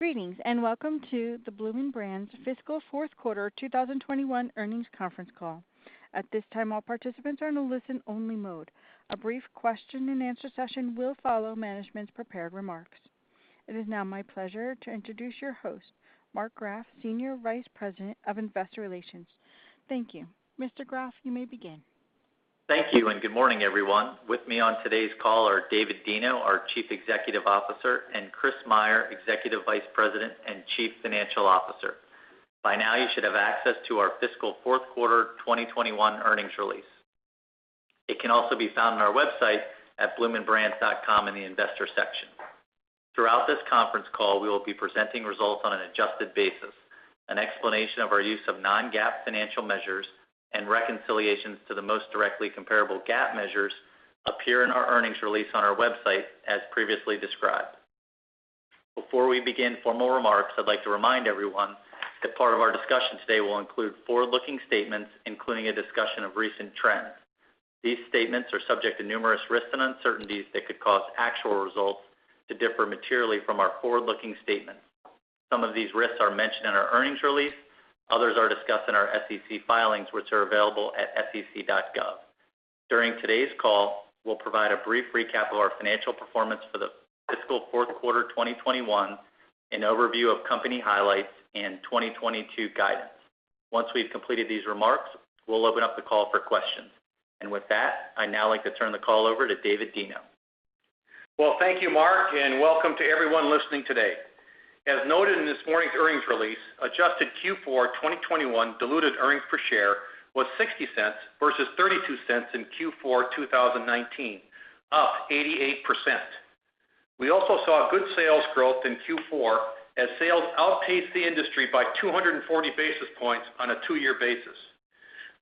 Greetings, and welcome to the Bloomin' Brands fiscal fourth quarter 2021 earnings conference call. At this time, all participants are in a listen-only mode. A brief question-and-answer session will follow management's prepared remarks. It is now my pleasure to introduce your host, Mark Graff, Senior Vice President of Investor Relations. Thank you. Mr. Graff, you may begin. Thank you, and good morning, everyone. With me on today's call are David Deno, our Chief Executive Officer, and Chris Meyer, Executive Vice President and Chief Financial Officer. By now, you should have access to our fiscal fourth quarter 2021 earnings release. It can also be found on our website at bloominbrands.com in the investor section. Throughout this conference call, we will be presenting results on an adjusted basis. An explanation of our use of non-GAAP financial measures and reconciliations to the most directly comparable GAAP measures appear in our earnings release on our website as previously described. Before we begin formal remarks, I'd like to remind everyone that part of our discussion today will include forward-looking statements, including a discussion of recent trends. These statements are subject to numerous risks and uncertainties that could cause actual results to differ materially from our forward-looking statements. Some of these risks are mentioned in our earnings release. Others are discussed in our SEC filings, which are available at sec.gov. During today's call, we'll provide a brief recap of our financial performance for the fiscal fourth quarter 2021, an overview of company highlights and 2022 guidance. Once we've completed these remarks, we'll open up the call for questions. With that, I'd now like to turn the call over to David Deno. Well, thank you, Mark, and welcome to everyone listening today. As noted in this morning's earnings release, adjusted Q4 2021 diluted earnings per share was $0.60 versus $0.32 in Q4 2019, up 88%. We also saw good sales growth in Q4 as sales outpaced the industry by 240 basis points on a two-year basis.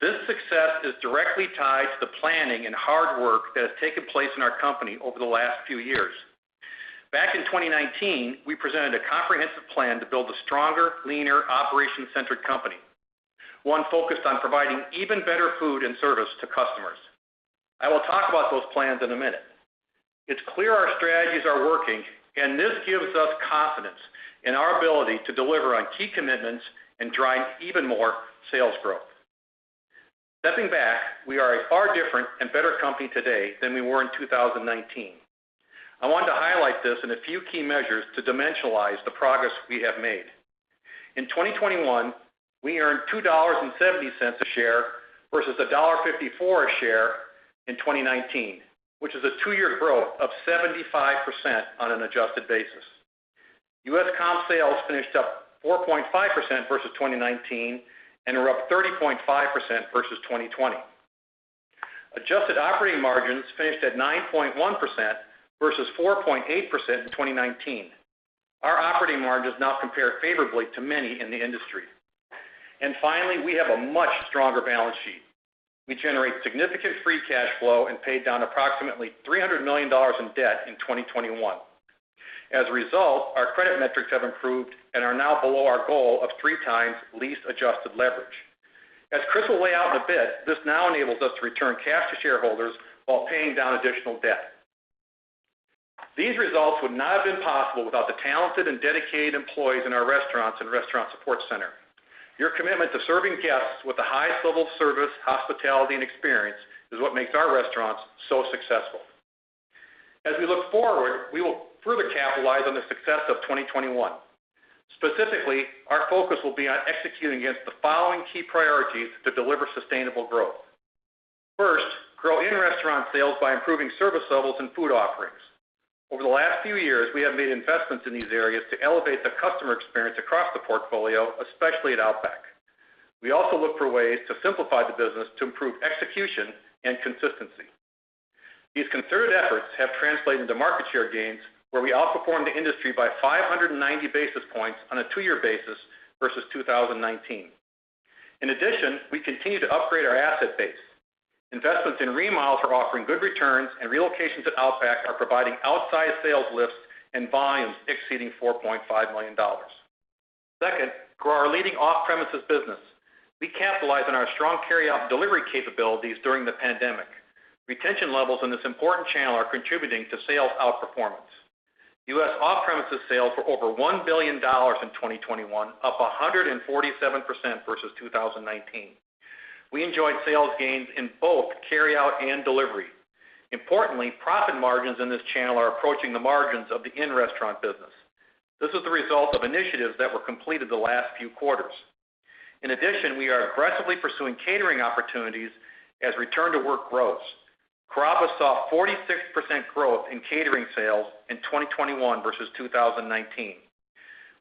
This success is directly tied to the planning and hard work that has taken place in our company over the last few years. Back in 2019, we presented a comprehensive plan to build a stronger, leaner, operation-centric company, one focused on providing even better food and service to customers. I will talk about those plans in a minute. It's clear our strategies are working, and this gives us confidence in our ability to deliver on key commitments and drive even more sales growth. Stepping back, we are a far different and better company today than we were in 2019. I want to highlight this in a few key measures to dimensionalize the progress we have made. In 2021, we earned $2.70 a share versus $1.54 a share in 2019, which is a two-year growth of 75% on an adjusted basis. U.S. comp sales finished up 4.5% versus 2019 and are up 30.5% versus 2020. Adjusted operating margins finished at 9.1% versus 4.8% in 2019. Our operating margin does now compare favorably to many in the industry. Finally, we have a much stronger balance sheet. We generate significant free cash flow and paid down approximately $300 million in 2021. As a result, our credit metrics have improved and are now below our goal of 3x lease adjusted leverage. As Chris will lay out in a bit, this now enables us to return cash to shareholders while paying down additional debt. These results would not have been possible without the talented and dedicated employees in our restaurants and restaurant support center. Your commitment to serving guests with the highest level of service, hospitality, and experience is what makes our restaurants so successful. As we look forward, we will further capitalize on the success of 2021. Specifically, our focus will be on executing against the following key priorities to deliver sustainable growth. First, grow in-restaurant sales by improving service levels and food offerings. Over the last few years, we have made investments in these areas to elevate the customer experience across the portfolio, especially at Outback. We also look for ways to simplify the business to improve execution and consistency. These concerted efforts have translated into market share gains, where we outperformed the industry by 590 basis points on a two-year basis versus 2019. In addition, we continue to upgrade our asset base. Investments in remodels are offering good returns, and relocations at Outback are providing outsized sales lifts and volumes exceeding $4.5 million. Second, grow our leading off-premises business. We capitalized on our strong carryout delivery capabilities during the pandemic. Retention levels in this important channel are contributing to sales outperformance. U.S. off-premises sales were over $1 billion in 2021, up 147% versus 2019. We enjoyed sales gains in both carryout and delivery. Importantly, profit margins in this channel are approaching the margins of the in-restaurant business. This is the result of initiatives that were completed the last few quarters. In addition, we are aggressively pursuing catering opportunities as return to work grows. Carrabba's saw 46% growth in catering sales in 2021 versus 2019.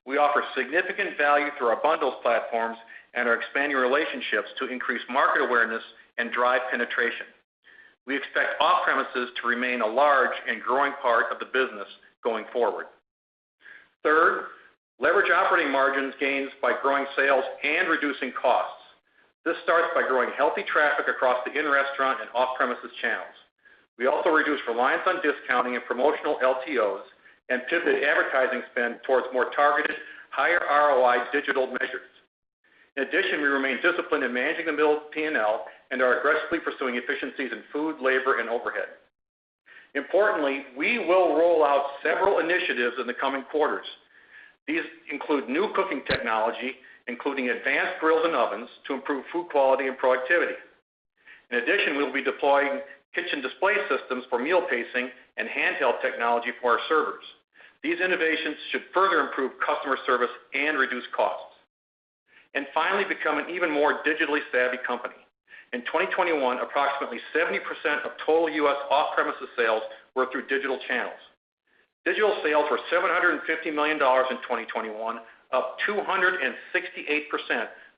We offer significant value through our bundles platforms and are expanding relationships to increase market awareness and drive penetration. We expect off-premises to remain a large and growing part of the business going forward. Third, leverage operating margins gains by growing sales and reducing costs. This starts by growing healthy traffic across the in-restaurant and off-premises channels. We also reduce reliance on discounting and promotional LTOs and pivot advertising spend towards more targeted, higher ROI digital measures. In addition, we remain disciplined in managing the unit PNL and are aggressively pursuing efficiencies in food, labor, and overhead. Importantly, we will roll out several initiatives in the coming quarters. These include new cooking technology, including advanced grills and ovens to improve food quality and productivity. In addition, we will be deploying kitchen display systems for meal pacing and handheld technology for our servers. These innovations should further improve customer service and reduce costs. Finally, we will become an even more digitally savvy company. In 2021, approximately 70% of total U.S. off-premises sales were through digital channels. Digital sales were $750 million in 2021, up 268%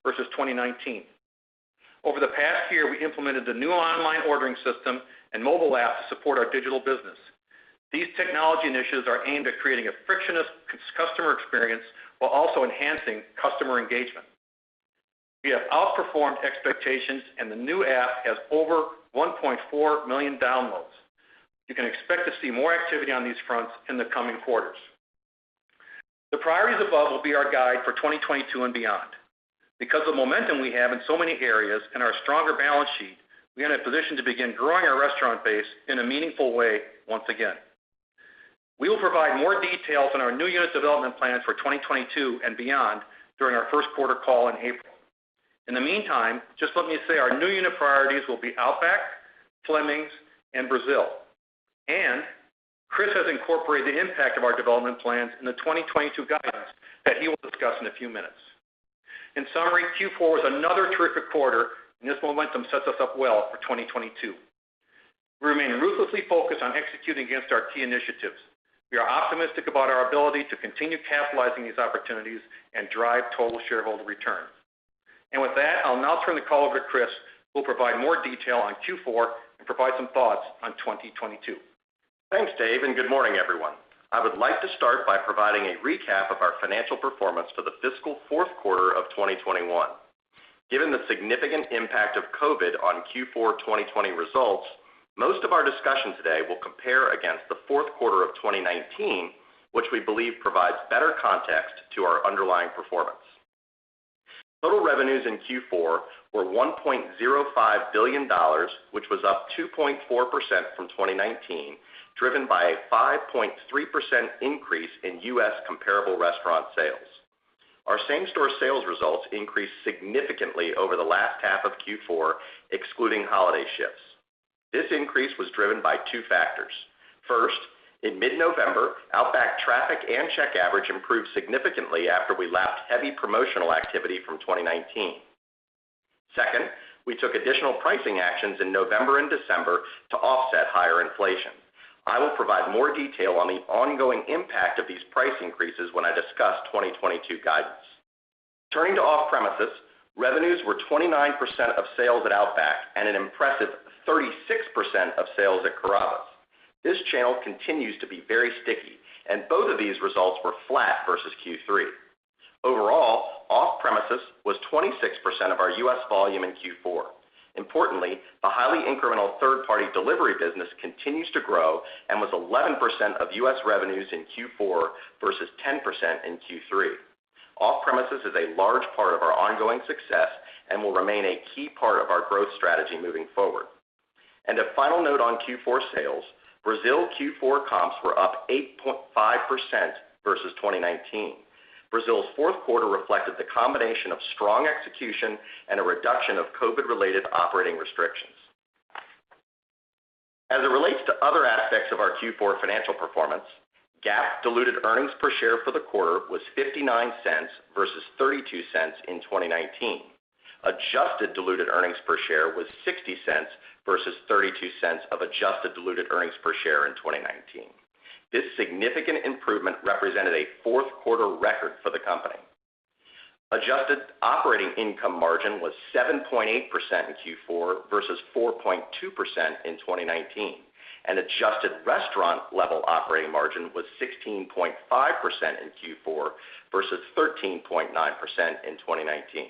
versus 2019. Over the past year, we implemented the new online ordering system and mobile app to support our digital business. These technology initiatives are aimed at creating a frictionless customer experience while also enhancing customer engagement. We have outperformed expectations, and the new app has over 1.4 million downloads. You can expect to see more activity on these fronts in the coming quarters. The priorities above will be our guide for 2022 and beyond. Because of momentum we have in so many areas and our stronger balance sheet, we are in a position to begin growing our restaurant base in a meaningful way once again. We will provide more details on our new unit development plans for 2022 and beyond during our first quarter call in April. In the meantime, just let me say our new unit priorities will be Outback, Fleming's, and Brazil. Chris has incorporated the impact of our development plans in the 2022 guidance that he will discuss in a few minutes. In summary, Q4 was another terrific quarter, and this momentum sets us up well for 2022. We remain ruthlessly focused on executing against our key initiatives. We are optimistic about our ability to continue capitalizing these opportunities and drive total shareholder returns. With that, I'll now turn the call over to Chris, who will provide more detail on Q4 and provide some thoughts on 2022. Thanks, David, and good morning, everyone. I would like to start by providing a recap of our financial performance for the fiscal fourth quarter of 2021. Given the significant impact of COVID on Q4 2020 results, most of our discussion today will compare against the fourth quarter of 2019, which we believe provides better context to our underlying performance. Total revenues in Q4 were $1.05 billion, which was up 2.4% from 2019, driven by a 5.3% increase in U.S. comparable restaurant sales. Our same-store sales results increased significantly over the last half of Q4, excluding holiday shifts. This increase was driven by two factors. First, in mid-November, Outback traffic and check average improved significantly after we lapped heavy promotional activity from 2019. Second, we took additional pricing actions in November and December to offset higher inflation. I will provide more detail on the ongoing impact of these price increases when I discuss 2022 guidance. Turning to off-premises, revenues were 29% of sales at Outback and an impressive 36% of sales at Carrabba's. This channel continues to be very sticky, and both of these results were flat versus Q3. Overall, off-premises was 26% of our U.S. volume in Q4. Importantly, the highly incremental third-party delivery business continues to grow and was 11% of U.S. revenues in Q4 versus 10% in Q3. Off-premises is a large part of our ongoing success and will remain a key part of our growth strategy moving forward. A final note on Q4 sales, Brazil Q4 comps were up 8.5% versus 2019. Brazil's fourth quarter reflected the combination of strong execution and a reduction of COVID-related operating restrictions. As it relates to other aspects of our Q4 financial performance, GAAP diluted earnings per share for the quarter was $0.59 versus $0.32 in 2019. Adjusted diluted earnings per share was $0.60 versus $0.32 of adjusted diluted earnings per share in 2019. This significant improvement represented a fourth-quarter record for the company. Adjusted operating income margin was 7.8% in Q4 versus 4.2% in 2019, and adjusted restaurant level operating margin was 16.5% in Q4 versus 13.9% in 2019.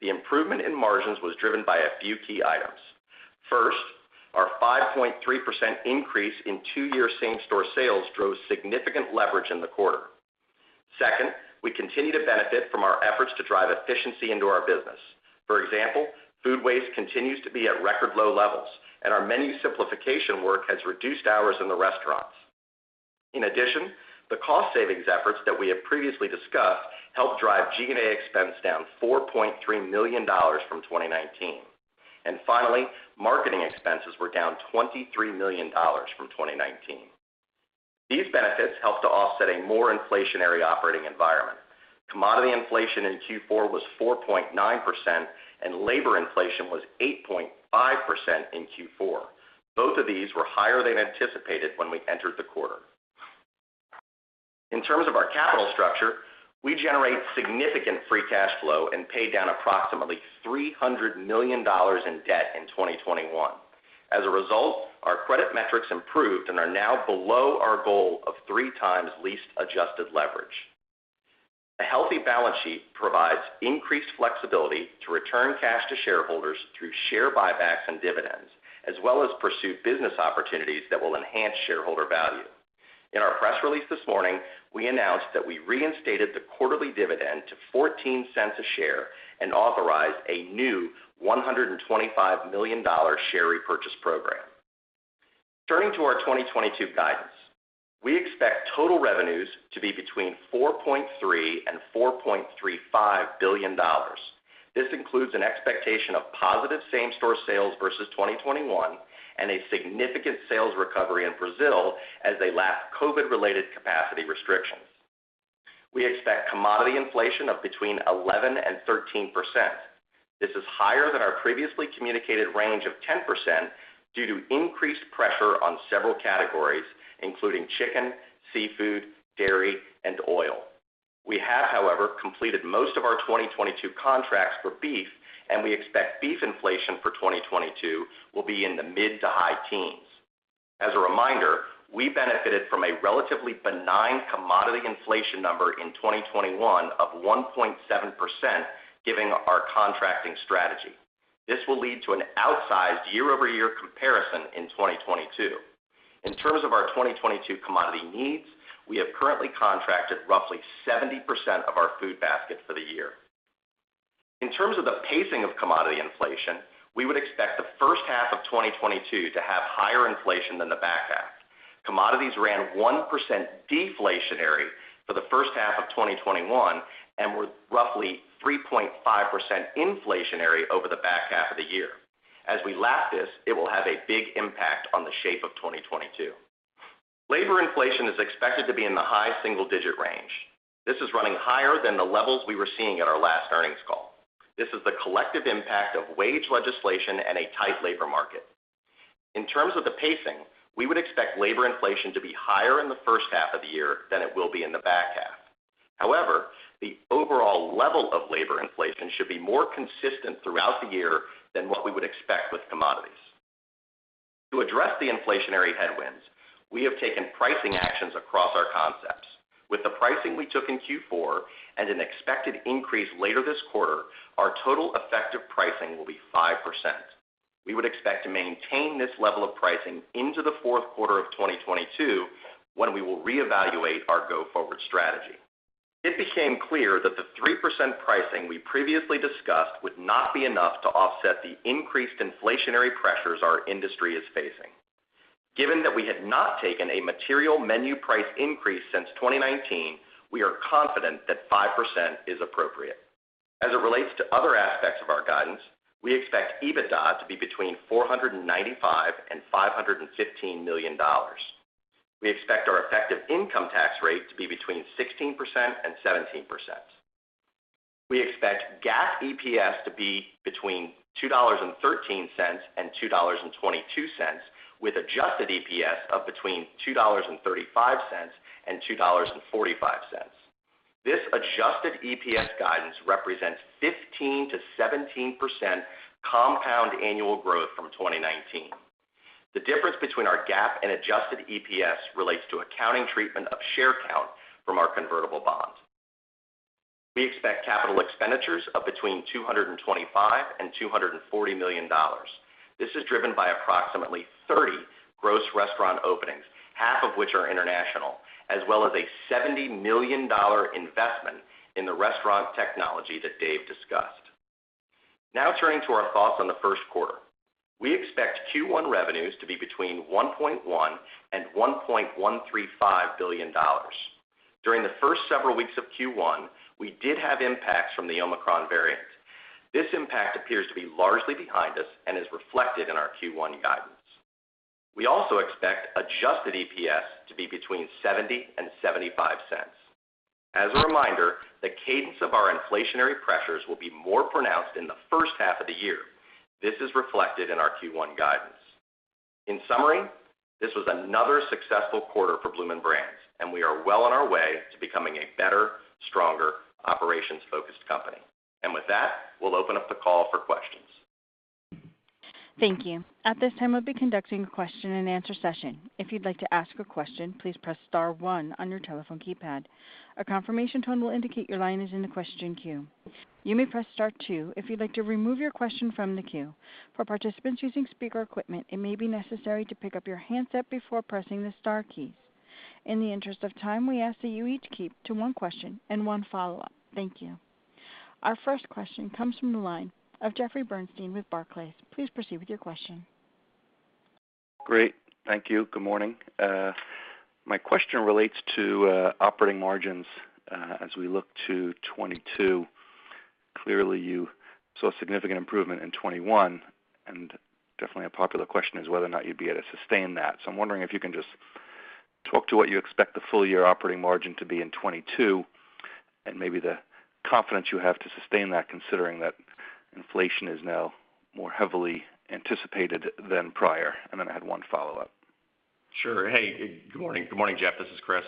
The improvement in margins was driven by a few key items. First, our 5.3% increase in two-year same-store sales drove significant leverage in the quarter. Second, we continue to benefit from our efforts to drive efficiency into our business. For example, food waste continues to be at record low levels, and our menu simplification work has reduced hours in the restaurants. In addition, the cost savings efforts that we have previously discussed helped drive G&A expense down $4.3 million from 2019. Finally, marketing expenses were down $23 million from 2019. These benefits helped to offset a more inflationary operating environment. Commodity inflation in Q4 was 4.9%, and labor inflation was 8.5% in Q4. Both of these were higher than anticipated when we entered the quarter. In terms of our capital structure, we generate significant free cash flow and paid down approximately $300 million in debt in 2021. As a result, our credit metrics improved and are now below our goal of 3x lease-adjusted leverage. A healthy balance sheet provides increased flexibility to return cash to shareholders through share buybacks and dividends, as well as pursue business opportunities that will enhance shareholder value. In our press release this morning, we announced that we reinstated the quarterly dividend to $0.14 a share and authorized a new $125 million share repurchase program. Turning to our 2022 guidance. We expect total revenues to be between $4.3 billion-$4.35 billion. This includes an expectation of positive same-store sales versus 2021 and a significant sales recovery in Brazil as the last COVID-related capacity restrictions. We expect commodity inflation of between 11%-13%. This is higher than our previously communicated range of 10% due to increased pressure on several categories, including chicken, seafood, dairy, and oil. We have, however, completed most of our 2022 contracts for beef, and we expect beef inflation for 2022 will be in the mid- to high teens. As a reminder, we benefited from a relatively benign commodity inflation number in 2021 of 1.7% given our contracting strategy. This will lead to an outsized year-over-year comparison in 2022. In terms of our 2022 commodity needs, we have currently contracted roughly 70% of our food basket for the year. In terms of the pacing of commodity inflation, we would expect the first half of 2022 to have higher inflation than the back half. Commodities ran 1% deflationary for the first half of 2021 and were roughly 3.5% inflationary over the back half of the year. As we lap this, it will have a big impact on the shape of 2022. Labor inflation is expected to be in the high single-digit range. This is running higher than the levels we were seeing at our last earnings call. This is the collective impact of wage legislation and a tight labor market. In terms of the pacing, we would expect labor inflation to be higher in the first half of the year than it will be in the back half. However, the overall level of labor inflation should be more consistent throughout the year than what we would expect with commodities. To address the inflationary headwinds, we have taken pricing actions across our concepts. With the pricing we took in Q4 and an expected increase later this quarter, our total effective pricing will be 5%. We would expect to maintain this level of pricing into the fourth quarter of 2022, when we will reevaluate our go-forward strategy. It became clear that the 3% pricing we previously discussed would not be enough to offset the increased inflationary pressures our industry is facing. Given that we had not taken a material menu price increase since 2019, we are confident that 5% is appropriate. As it relates to other aspects of our guidance, we expect EBITDA to be between $495 million and $515 million. We expect our effective income tax rate to be between 16% and 17%. We expect GAAP EPS to be between $2.13 and $2.22, with adjusted EPS of between $2.35 and $2.45. This adjusted EPS guidance represents 15%-17% compound annual growth from 2019. The difference between our GAAP and adjusted EPS relates to accounting treatment of share count from our convertible bond. We expect capital expenditures of between $225 million and $240 million. This is driven by approximately 30 gross restaurant openings, half of which are international, as well as a $70 million investment in the restaurant technology that David discussed. Now turning to our thoughts on the first quarter. We expect Q1 revenues to be between $1.1 billion and $1.135 billion. During the first several weeks of Q1, we did have impacts from the Omicron variant. This impact appears to be largely behind us and is reflected in our Q1 guidance. We also expect adjusted EPS to be between $0.70 and $0.75. As a reminder, the cadence of our inflationary pressures will be more pronounced in the first half of the year. This is reflected in our Q1 guidance. In summary, this was another successful quarter for Bloomin' Brands, and we are well on our way to becoming a better, stronger, operations-focused company. With that, we'll open up the call for questions. Thank you. At this time, we'll be conducting a question and answer session. If you'd like to ask a question, please press star one on your telephone keypad. A confirmation tone will indicate your line is in the question queue. You may press star two if you'd like to remove your question from the queue. For participants using speaker equipment, it may be necessary to pick up your handset before pressing the star keys. In the interest of time, we ask that you each keep to one question and one follow-up. Thank you. Our first question comes from the line of Jeffrey Bernstein with Barclays, please proceed with your question. Great. Thank you. Good morning. My question relates to operating margins as we look to 2022. Clearly, you saw significant improvement in 2021, and definitely a popular question is whether or not you'd be able to sustain that. I'm wondering if you can just talk to what you expect the full year operating margin to be in 2022 and maybe the confidence you have to sustain that, considering that inflation is now more heavily anticipated than prior. I had one follow-up. Sure. Hey, good morning. Good morning, Jeffrey, this is Chris.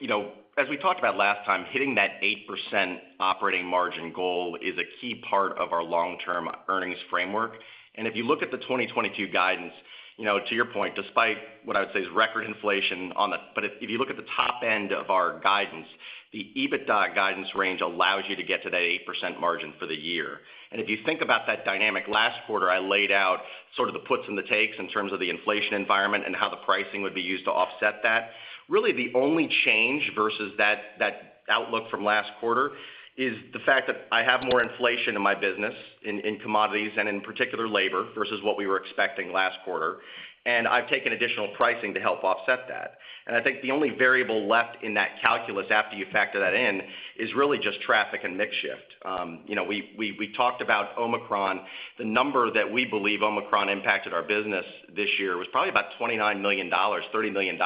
You know, as we talked about last time, hitting that 8% operating margin goal is a key part of our long-term earnings framework. If you look at the 2022 guidance, you know, to your point, despite what I would say is record inflation on the. But if you look at the top end of our guidance, the EBITDA guidance range allows you to get to that 8% margin for the year. If you think about that dynamic, last quarter, I laid out sort of the puts and the takes in terms of the inflation environment and how the pricing would be used to offset that. Really, the only change versus that outlook from last quarter is the fact that I have more inflation in my business in commodities and in particular labor versus what we were expecting last quarter. I've taken additional pricing to help offset that. I think the only variable left in that calculus after you factor that in is really just traffic and mix shift. You know, we talked about Omicron. The number that we believe Omicron impacted our business this year was probably about $29 million, $30 million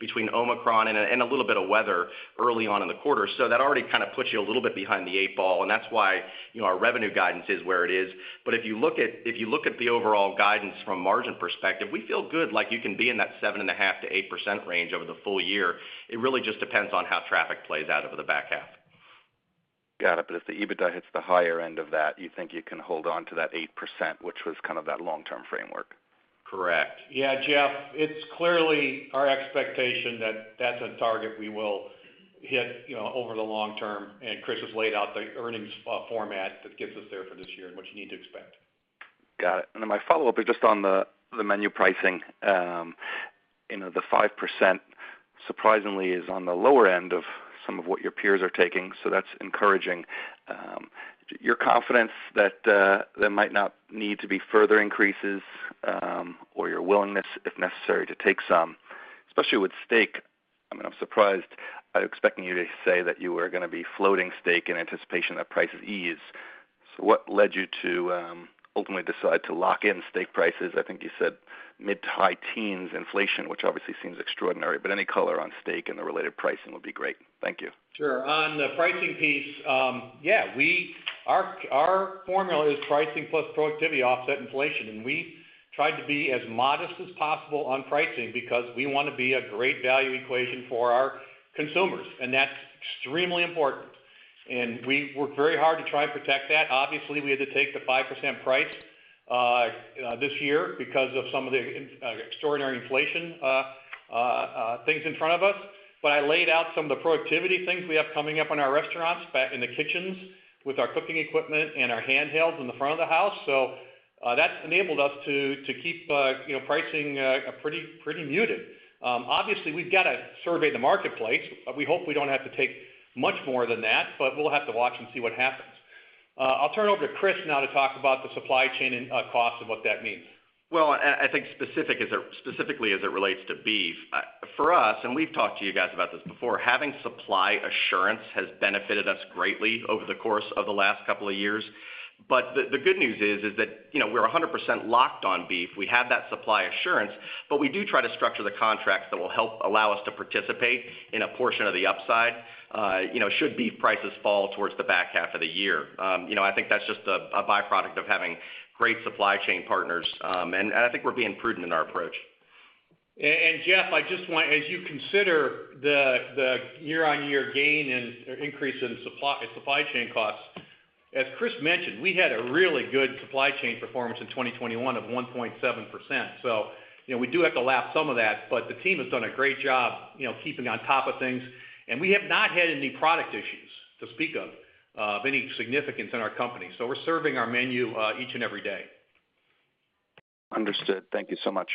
between Omicron and a little bit of weather early on in the quarter. That already kind of puts you a little bit behind the eight ball, and that's why, you know, our revenue guidance is where it is. If you look at the overall guidance from margin perspective, we feel good, like you can be in that 7.5%-8% range over the full year. It really just depends on how traffic plays out over the back half. Got it. If the EBITDA hits the higher end of that, you think you can hold on to that 8%, which was kind of that long-term framework. Correct. Yeah, Jeffrey, it's clearly our expectation that that's a target we will hit, you know, over the long term, and Chris has laid out the earnings format that gets us there for this year and what you need to expect. Got it. My follow-up is just on the menu pricing. You know, the 5% surprisingly is on the lower end of some of what your peers are taking, so that's encouraging. Your confidence that there might not need to be further increases, or your willingness, if necessary, to take some, especially with steak. I mean, I'm surprised. I'm expecting you to say that you were gonna be floating steak in anticipation that prices ease. What led you to ultimately decide to lock in steak prices? I think you said mid- to high-teens inflation, which obviously seems extraordinary, but any color on steak and the related pricing would be great. Thank you. Sure. On the pricing piece, our formula is pricing plus productivity offset inflation, and we tried to be as modest as possible on pricing because we wanna be a great value equation for our consumers, and that's extremely important. We worked very hard to try and protect that. Obviously, we had to take the 5% price this year because of some of the extraordinary inflation things in front of us. I laid out some of the productivity things we have coming up in our restaurants back in the kitchens with our cooking equipment and our handhelds in the front of the house. That's enabled us to keep you know pricing pretty muted. Obviously, we've got to survey the marketplace. We hope we don't have to take much more than that, but we'll have to watch and see what happens. I'll turn it over to Chris now to talk about the supply chain and costs and what that means. I think specifically as it relates to beef, for us, and we've talked to you guys about this before, having supply assurance has benefited us greatly over the course of the last couple of years. The good news is that, you know, we're 100% locked on beef. We have that supply assurance, but we do try to structure the contracts that will help allow us to participate in a portion of the upside, you know, should beef prices fall towards the back half of the year. You know, I think that's just a byproduct of having great supply chain partners. I think we're being prudent in our approach. Jeffrey, I just want as you consider the year-on-year gain in or increase in supply chain costs, as Chris mentioned, we had a really good supply chain performance in 2021 of 1.7%. You know, we do have to lap some of that, but the team has done a great job, you know, keeping on top of things. We have not had any product issues to speak of any significance in our company. We're serving our menu each and every day. Understood. Thank you so much.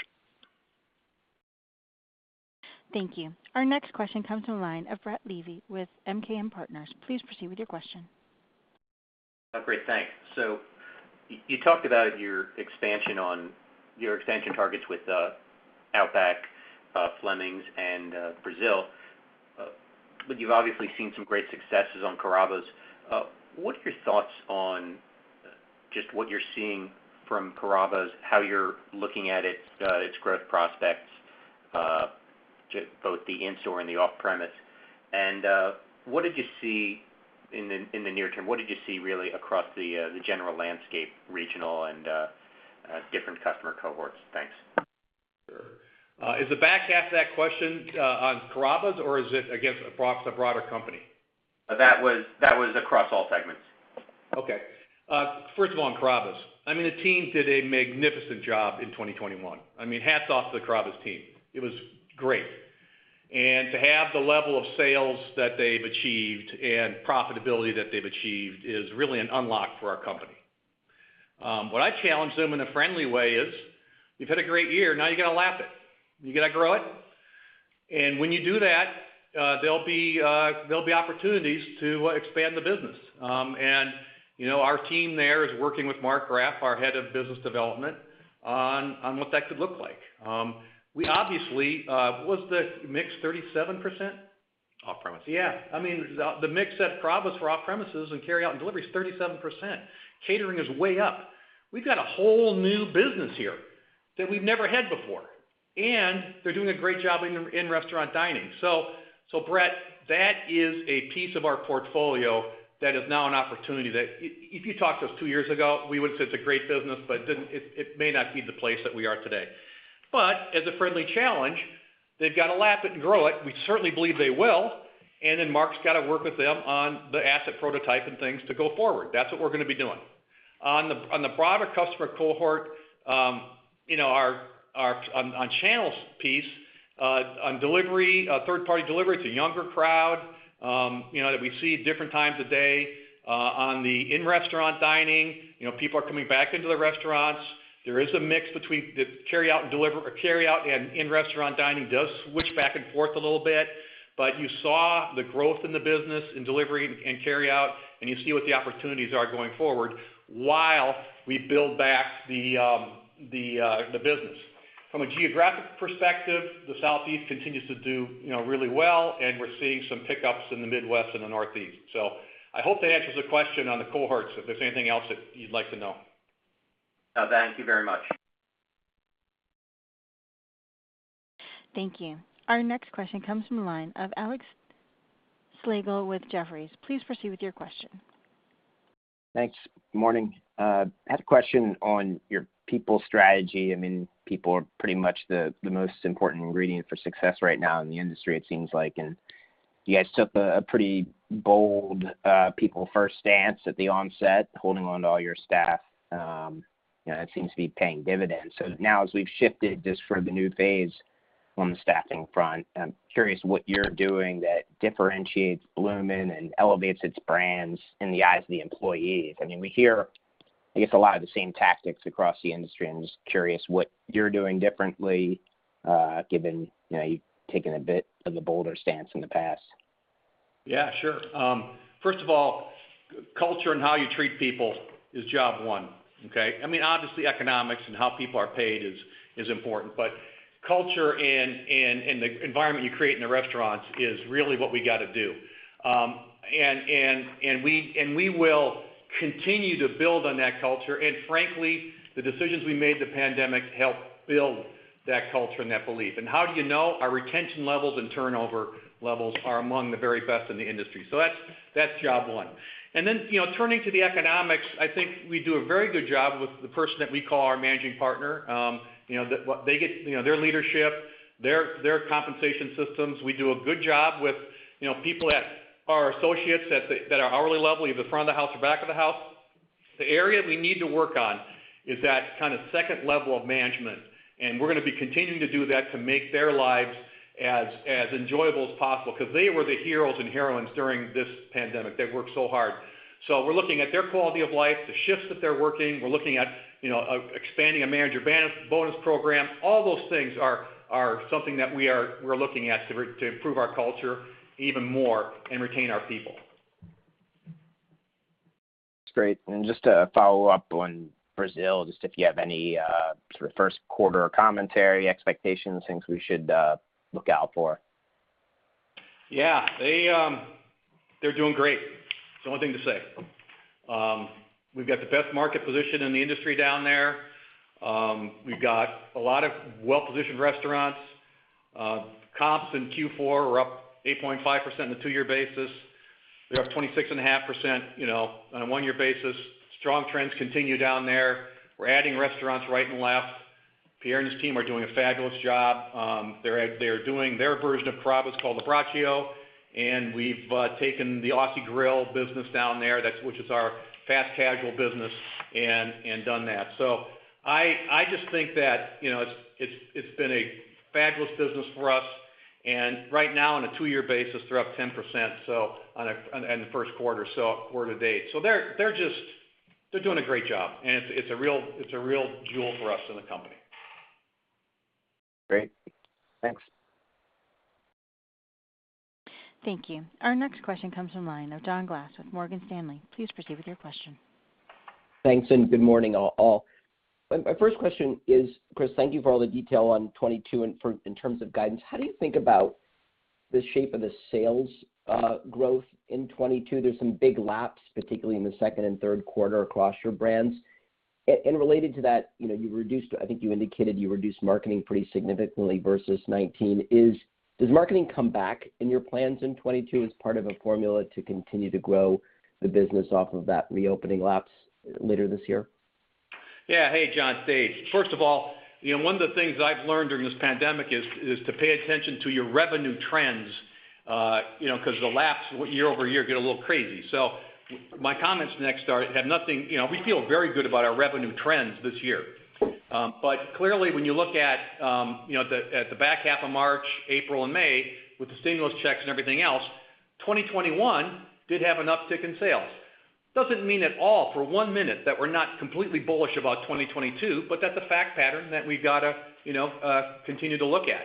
Thank you. Our next question comes from the line of Brett Levy with MKM Partners, please proceed with your question. Oh, great. Thanks. You talked about your expansion targets with Outback, Fleming's and Brazil. You've obviously seen some great successes on Carrabba's. What are your thoughts on just what you're seeing from Carrabba's, how you're looking at its growth prospects to both the in-store and the off-premise? What did you see in the near term? What did you see really across the general landscape, regional and different customer cohorts? Thanks. Sure. Is the back half of that question on Carrabba's or is it against a broader company? That was across all segments. Okay. First of all, on Carrabba's, I mean, the team did a magnificent job in 2021. I mean, hats off to the Carrabba's team. It was great. To have the level of sales that they've achieved and profitability that they've achieved is really an unlock for our company. What I challenged them in a friendly way is, You've had a great year, now you gotta lap it. You gotta grow it. When you do that, there'll be opportunities to expand the business. And, you know, our team there is working with Mark Graff, our head of business development, on what that could look like. We obviously, what was the mix, 37%? Off-premise. Yeah. I mean, the mix at Carrabba's for off-premises and carry out and delivery is 37%. Catering is way up. We've got a whole new business here that we've never had before, and they're doing a great job in restaurant dining. Brett, that is a piece of our portfolio that is now an opportunity that if you talked to us two years ago, we would have said it's a great business, but it may not be the place that we are today. As a friendly challenge, they've got to lap it and grow it. We certainly believe they will. Mark's got to work with them on the asset prototype and things to go forward. That's what we're gonna be doing. On the broader customer cohort, you know, on our channels piece, on delivery, third-party delivery, it's a younger crowd, you know, that we see at different times of day. On the in-restaurant dining, you know, people are coming back into the restaurants. There is a mix between the carryout and carryout and in-restaurant dining. It does switch back and forth a little bit. You saw the growth in the business in delivery and carryout, and you see what the opportunities are going forward while we build back the business. From a geographic perspective, the Southeast continues to do, you know, really well, and we're seeing some pick-ups in the Midwest and the Northeast. I hope that answers the question on the cohorts, if there's anything else that you'd like to know. Thank you very much. Thank you. Our next question comes from the line of Alex Slagle with Jefferies, please proceed with your question. Thanks. Morning. I had a question on your people strategy. I mean, people are pretty much the most important ingredient for success right now in the industry, it seems like. You guys took a pretty bold people first stance at the onset, holding on to all your staff. You know, that seems to be paying dividends. Now, as we've shifted just for the new phase on the staffing front, I'm curious what you're doing that differentiates Bloomin' and elevates its brands in the eyes of the employees. I mean, we hear, I guess, a lot of the same tactics across the industry. I'm just curious what you're doing differently, given, you know, you've taken a bit of a bolder stance in the past. Yeah, sure. First of all, culture and how you treat people is job one, okay? I mean, obviously, economics and how people are paid is important. But culture and the environment you create in the restaurants is really what we gotta do. We will continue to build on that culture. Frankly, the decisions we made in the pandemic help build that culture and that belief. How do you know? Our retention levels and turnover levels are among the very best in the industry. So that's job one. Then, you know, turning to the economics, I think we do a very good job with the person that we call our managing partner. You know, what they get, you know, their leadership, their compensation systems. We do a good job with, you know, people that are associates that are hourly level, either front of the house or back of the house. The area we need to work on is that kind of second level of management, and we're gonna be continuing to do that to make their lives as enjoyable as possible because they were the heroes and heroines during this pandemic. They've worked so hard. We're looking at their quality of life, the shifts that they're working. We're looking at, you know, expanding a manager bonus program. All those things are something that we're looking at to improve our culture even more and retain our people. That's great. Just a follow-up on Brazil, just if you have any, sort of first quarter commentary, expectations, things we should look out for. Yeah. They're doing great. It's the one thing to say. We've got the best market position in the industry down there. We've got a lot of well-positioned restaurants. Comps in Q4 were up 8.5% on a two-year basis. They're up 26.5%, you know, on a one-year basis. Strong trends continue down there. We're adding restaurants right and left. Pierre and his team are doing a fabulous job. They're doing their version of Carrabba's, it's called Abbraccio. We've taken the Aussie Grill business down there, which is our fast casual business, and done that. I just think that, you know, it's been a fabulous business for us. Right now on a two-year basis, they're up 10%, in the first quarter, so quarter to date. They're doing a great job. It's a real jewel for us in the company. Great. Thanks. Thank you. Our next question comes from the line of John Glass with Morgan Stanley, please proceed with your question. Thanks. Good morning all? My first question is, Chris, thank you for all the detail on 2022 in terms of guidance. How do you think about the shape of the sales growth in 2022? There's some big laps, particularly in the second and third quarter across your brands. And related to that, you know, you reduced, I think you indicated you reduced marketing pretty significantly versus 2019. Does marketing come back in your plans in 2022 as part of a formula to continue to grow the business off of that reopening lapse later this year? Yeah. Hey, John. David. First of all, you know, one of the things that I've learned during this pandemic is to pay attention to your revenue trends, you know, because the year-over-year get a little crazy. My comments next, you know, we feel very good about our revenue trends this year. But clearly, when you look at, you know, at the back half of March, April and May, with the stimulus checks and everything else, 2021 did have an uptick in sales. Doesn't mean at all for one minute that we're not completely bullish about 2022, but that's a fact pattern that we've got to, you know, continue to look at.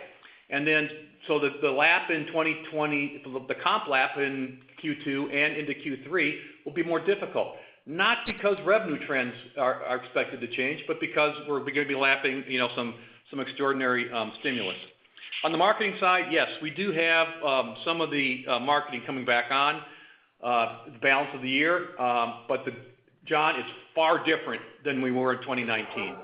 The comp lap in Q2 and into Q3 will be more difficult. Not because revenue trends are expected to change, but because we're gonna be lapping, you know, some extraordinary stimulus. On the marketing side, yes, we do have some of the marketing coming back on the balance of the year. John, it's far different than we were in 2019.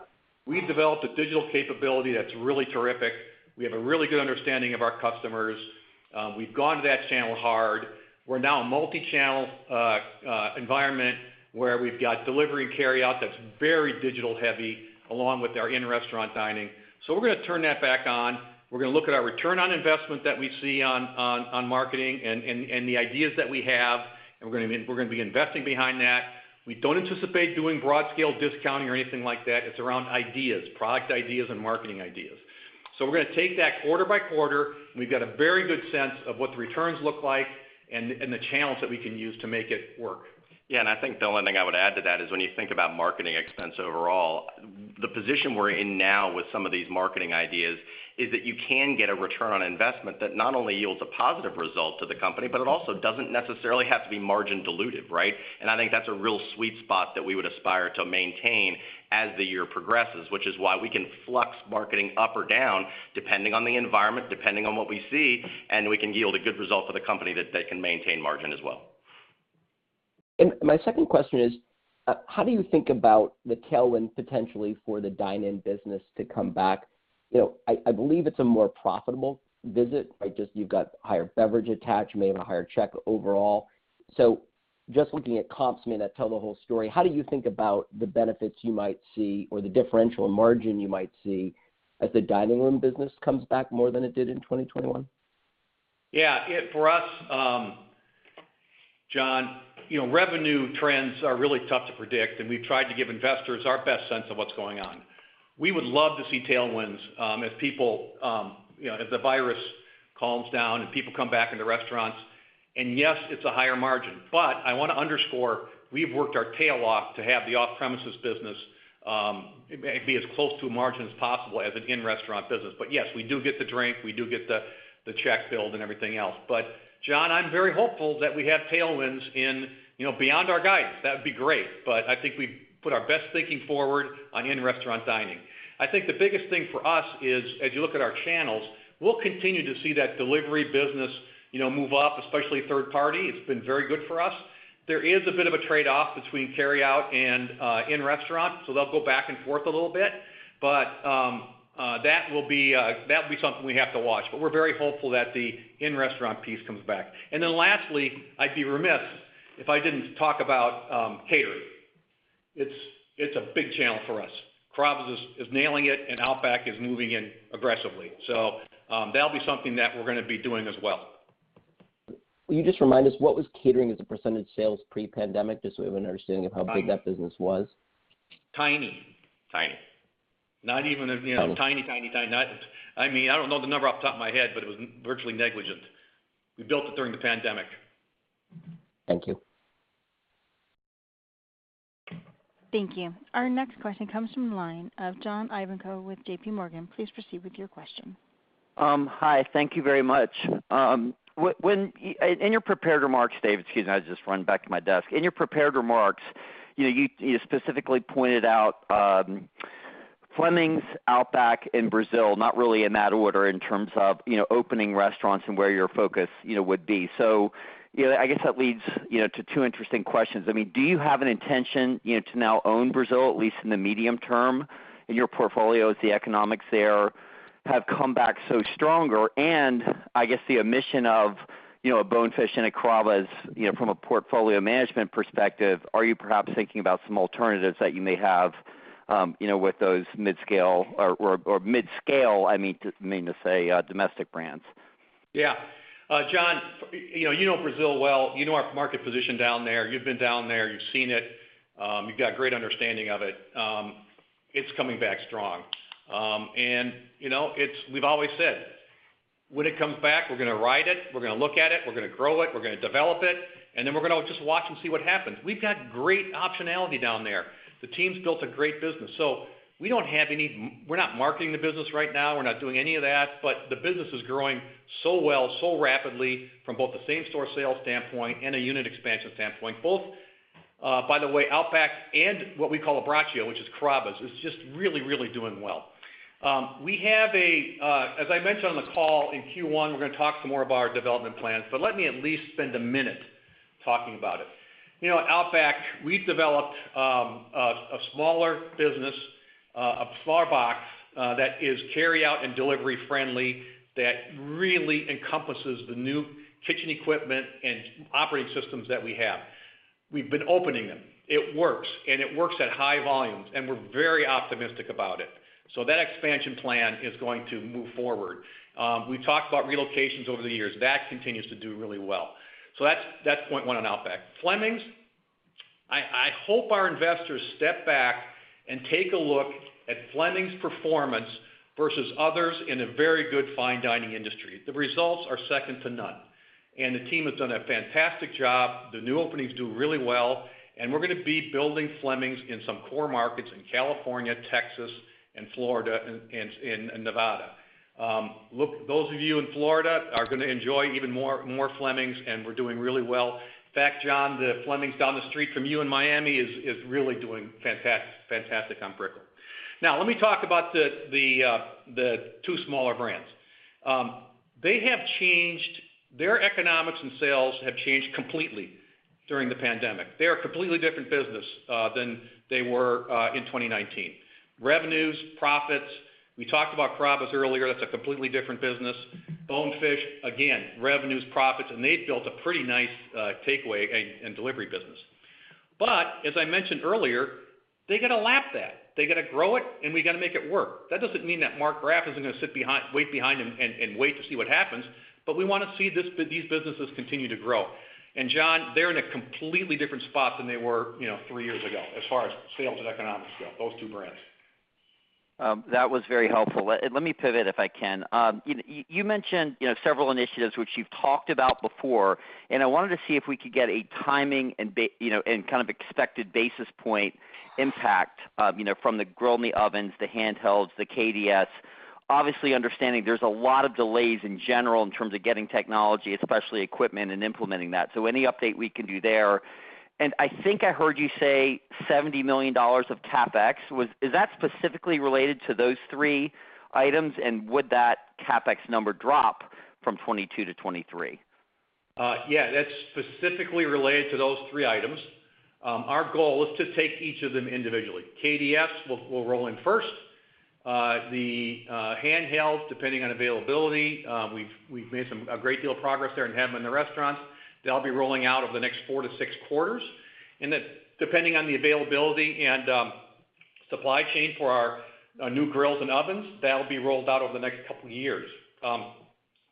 We've developed a digital capability that's really terrific. We have a really good understanding of our customers. We've gone to that channel hard. We're now a multi-channel environment where we've got delivery and carryout that's very digital-heavy, along with our in-restaurant dining. We're gonna turn that back on. We're gonna look at our return on investment that we see on marketing and the ideas that we have, and we're gonna be investing behind that. We don't anticipate doing broad scale discounting or anything like that. It's around ideas, product ideas and marketing ideas. We're gonna take that quarter by quarter, and we've got a very good sense of what the returns look like and the channels that we can use to make it work. Yeah. I think, [the other] one thing I would add to that is when you think about marketing expense overall, the position we're in now with some of these marketing ideas is that you can get a return on investment that not only yields a positive result to the company, but it also doesn't necessarily have to be margin diluted, right? I think that's a real sweet spot that we would aspire to maintain as the year progresses, which is why we can flex marketing up or down depending on the environment, depending on what we see, and we can yield a good result for the company that they can maintain margin as well. My second question is, how do you think about the tailwind potentially for the dine-in business to come back? You know, I believe it's a more profitable visit, right? Just you've got higher beverage attachment, you have a higher check overall. Just looking at comps may not tell the whole story. How do you think about the benefits you might see or the differential margin you might see as the dining room business comes back more than it did in 2021? Yeah. For us, John, you know, revenue trends are really tough to predict, and we've tried to give investors our best sense of what's going on. We would love to see tailwinds, if people, you know, as the virus calms down and people come back into restaurants. Yes, it's a higher margin. I wanna underscore, we've worked our tail off to have the off-premises business, be as close to a margin as possible as an in-restaurant business. Yes, we do get the drink, we do get the check build and everything else. John, I'm very hopeful that we have tailwinds in, you know, beyond our guidance. That'd be great. I think we've put our best thinking forward on in-restaurant dining. I think the biggest thing for us is, as you look at our channels, we'll continue to see that delivery business, you know, move up, especially third party. It's been very good for us. There is a bit of a trade-off between carry out and in-restaurant, so they'll go back and forth a little bit. That will be something we have to watch. We're very hopeful that the in-restaurant piece comes back. Lastly, I'd be remiss if I didn't talk about catering. It's a big channel for us. Carrabba's is nailing it, and Outback is moving in aggressively. That'll be something that we're gonna be doing as well. Will you just remind us what was catering as a percentage of sales pre-pandemic, just so we have an understanding of how big that business was? Tiny. Not even, you know, tiny. I mean, I don't know the number off the top of my head, but it was virtually negligible. We built it during the pandemic. Thank you. Thank you. Our next question comes from the line of John Ivankoe with JPMorgan, please proceed with your question. Hi. Thank you very much. Excuse me, I was just running back to my desk. In your prepared remarks, you specifically pointed out Fleming's, Outback, and Brazil, not really in that order in terms of opening restaurants and where your focus would be. You know, I guess that leads to two interesting questions. I mean, do you have an intention to now own Brazil, at least in the medium term, in your portfolio as the economics there have come back so stronger? And I guess the omission of Bonefish and Carrabba's from a portfolio management perspective, are you perhaps thinking about some alternatives that you may have with those mid-scale, I mean to say, domestic brands? Yeah. John, you know Brazil well. You know our market position down there. You've been down there, you've seen it. You've got great understanding of it. It's coming back strong. You know, we've always said, when it comes back, we're gonna ride it, we're gonna look at it, we're gonna grow it, and then we're gonna just watch and see what happens. We've got great optionality down there. The team's built a great business. We're not marketing the business right now. We're not doing any of that. But the business is growing so well, so rapidly from both the same store sales standpoint and a unit expansion standpoint. Both, by the way, Outback and what we call Abbraccio, which is Carrabba's, is just really, really doing well. We have a, as I mentioned on the call in Q1, we're gonna talk some more about our development plans. Let me at least spend a minute talking about it. You know, at Outback, we've developed a smaller business, a small box that is carry out and delivery friendly that really encompasses the new kitchen equipment and operating systems that we have. We've been opening them. It works, and it works at high volumes, and we're very optimistic about it. That expansion plan is going to move forward. We talked about relocations over the years. That continues to do really well. That's point one on Outback. Fleming's, I hope our investors step back and take a look at Fleming's performance versus others in a very good fine dining industry. The results are second to none, and the team has done a fantastic job. The new openings do really well, and we're gonna be building Fleming's in some core markets in California, Texas, and Florida, and in Nevada. Look, those of you in Florida are gonna enjoy even more Fleming's, and we're doing really well. In fact, John, the Fleming's down the street from you in Miami is really doing fantastic on Brickell. Now let me talk about the two smaller brands. They have changed. Their economics and sales have changed completely during the pandemic. They're a completely different business than they were in 2019. Revenues, profits. We talked about Carrabba's earlier. That's a completely different business. Bonefish, again, revenues, profits, and they've built a pretty nice takeaway and delivery business. As I mentioned earlier, they gotta lap that. They gotta grow it, and we gotta make it work. That doesn't mean that Mark Graff is gonna sit back and wait to see what happens, but we wanna see these businesses continue to grow. John, they're in a completely different spot than they were, you know, three years ago as far as sales and economics go, those two brands. That was very helpful. Let me pivot if I can. You mentioned, you know, several initiatives which you've talked about before, and I wanted to see if we could get a timing and, you know, kind of expected basis point impact, you know, from the GrillMe ovens, the handhelds, the KDS. Obviously, understanding there's a lot of delays in general in terms of getting technology, especially equipment, and implementing that. Any update we can do there. I think I heard you say $70 million of CapEx. Is that specifically related to those three items, and would that CapEx number drop from 2022 to 2023? Yeah, that's specifically related to those three items. Our goal is to take each of them individually. KDS we'll roll in first. The handhelds, depending on availability, we've made a great deal of progress there and have them in the restaurants. That'll be rolling out over the next four to six quarters. Then depending on the availability and supply chain for our new grills and ovens, that'll be rolled out over the next couple years.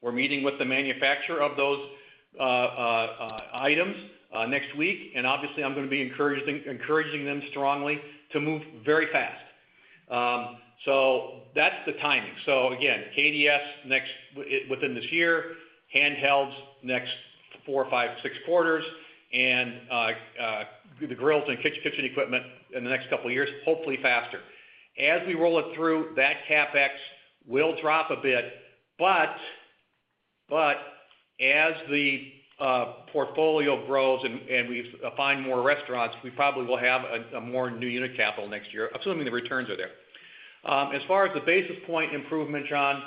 We're meeting with the manufacturer of those items next week, and obviously, I'm gonna be encouraging them strongly to move very fast. That's the timing. Again, KDS next within this year, handhelds next four to six quarters, and the grills and ovens in the next couple of years, hopefully faster. As we roll it through, that CapEx will drop a bit, but as the portfolio grows and we find more restaurants, we probably will have a more new unit capital next year, assuming the returns are there. As far as the basis point improvement, John,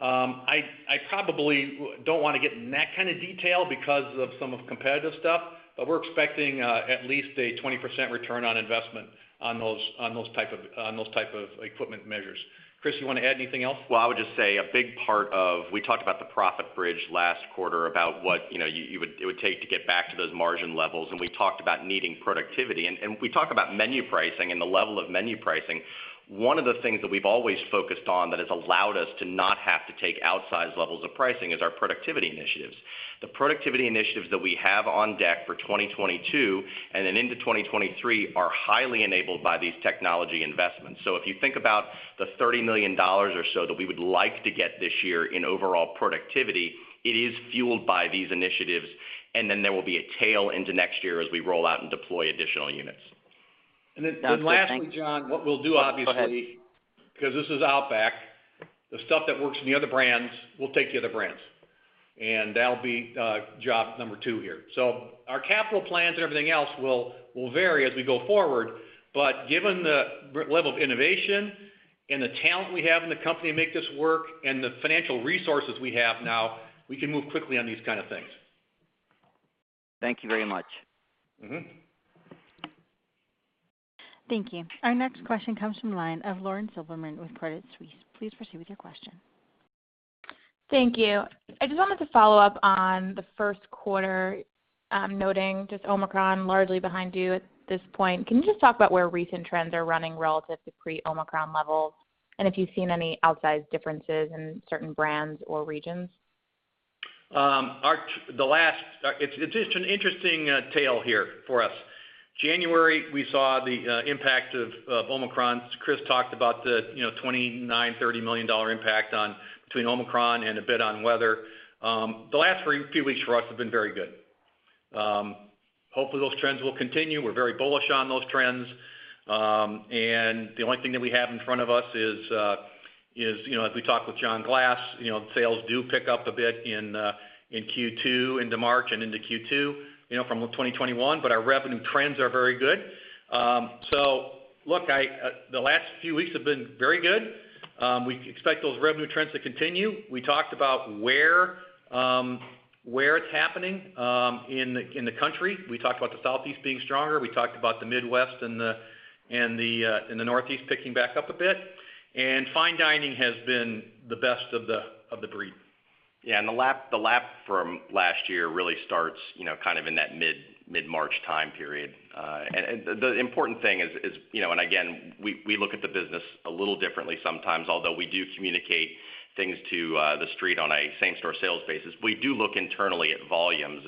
I probably don't wanna get in that kind of detail because of some of the competitive stuff, but we're expecting at least a 20% return on investment on those type of equipment measures. Chris, you wanna add anything else? Well, I would just say a big part of we talked about the profit bridge last quarter about what, you know, it would take to get back to those margin levels, and we talked about needing productivity. We talked about menu pricing and the level of menu pricing. One of the things that we've always focused on that has allowed us to not have to take outsized levels of pricing is our productivity initiatives. The productivity initiatives that we have on deck for 2022 and then into 2023 are highly enabled by these technology investments. If you think about the $30 million or so that we would like to get this year in overall productivity, it is fueled by these initiatives, and then there will be a tail into next year as we roll out and deploy additional units. Sounds good. Thanks. Lastly, John, what we'll do, obviously. Go ahead. 'Cause this is Outback, the stuff that works in the other brands will take the other brands. That'll be job number two here. Our capital plans and everything else will vary as we go forward, but given the brand-level of innovation and the talent we have in the company to make this work and the financial resources we have now, we can move quickly on these kind of things. Thank you very much. Mm-hmm. Thank you. Our next question comes from the line of Lauren Silberman with Credit Suisse, please proceed with your question. Thank you. I just wanted to follow up on the first quarter, noting just Omicron largely behind you at this point. Can you just talk about where recent trends are running relative to pre-Omicron levels, and if you've seen any outsized differences in certain brands or regions? It's just an interesting tale here for us. January, we saw the impact of Omicron. Chris talked about the $29 million-$30 million impact from Omicron and a bit on weather. The last few weeks for us have been very good. Hopefully, those trends will continue. We're very bullish on those trends. The only thing that we have in front of us is, as we talk with John Glass, sales do pick up a bit in Q2 into March and into Q2 from 2021, but our revenue trends are very good. The last few weeks have been very good. We expect those revenue trends to continue. We talked about where it's happening in the country. We talked about the Southeast being stronger. We talked about the Midwest and the Northeast picking back up a bit. Fine dining has been the best of the breed. The lap from last year really starts, you know, kind of in that mid-March time period. The important thing is, you know, and again, we look at the business a little differently sometimes, although we do communicate things to the street on a same-store sales basis. We do look internally at volumes.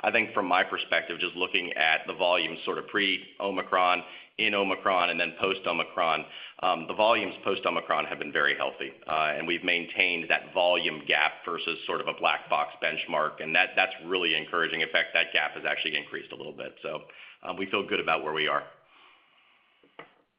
I think from my perspective, just looking at the volume sort of pre-Omicron, in Omicron, and then post-Omicron, the volumes post-Omicron have been very healthy. We've maintained that volume gap versus sort of a Black Box benchmark, and that's really encouraging. In fact, that gap has actually increased a little bit. We feel good about where we are.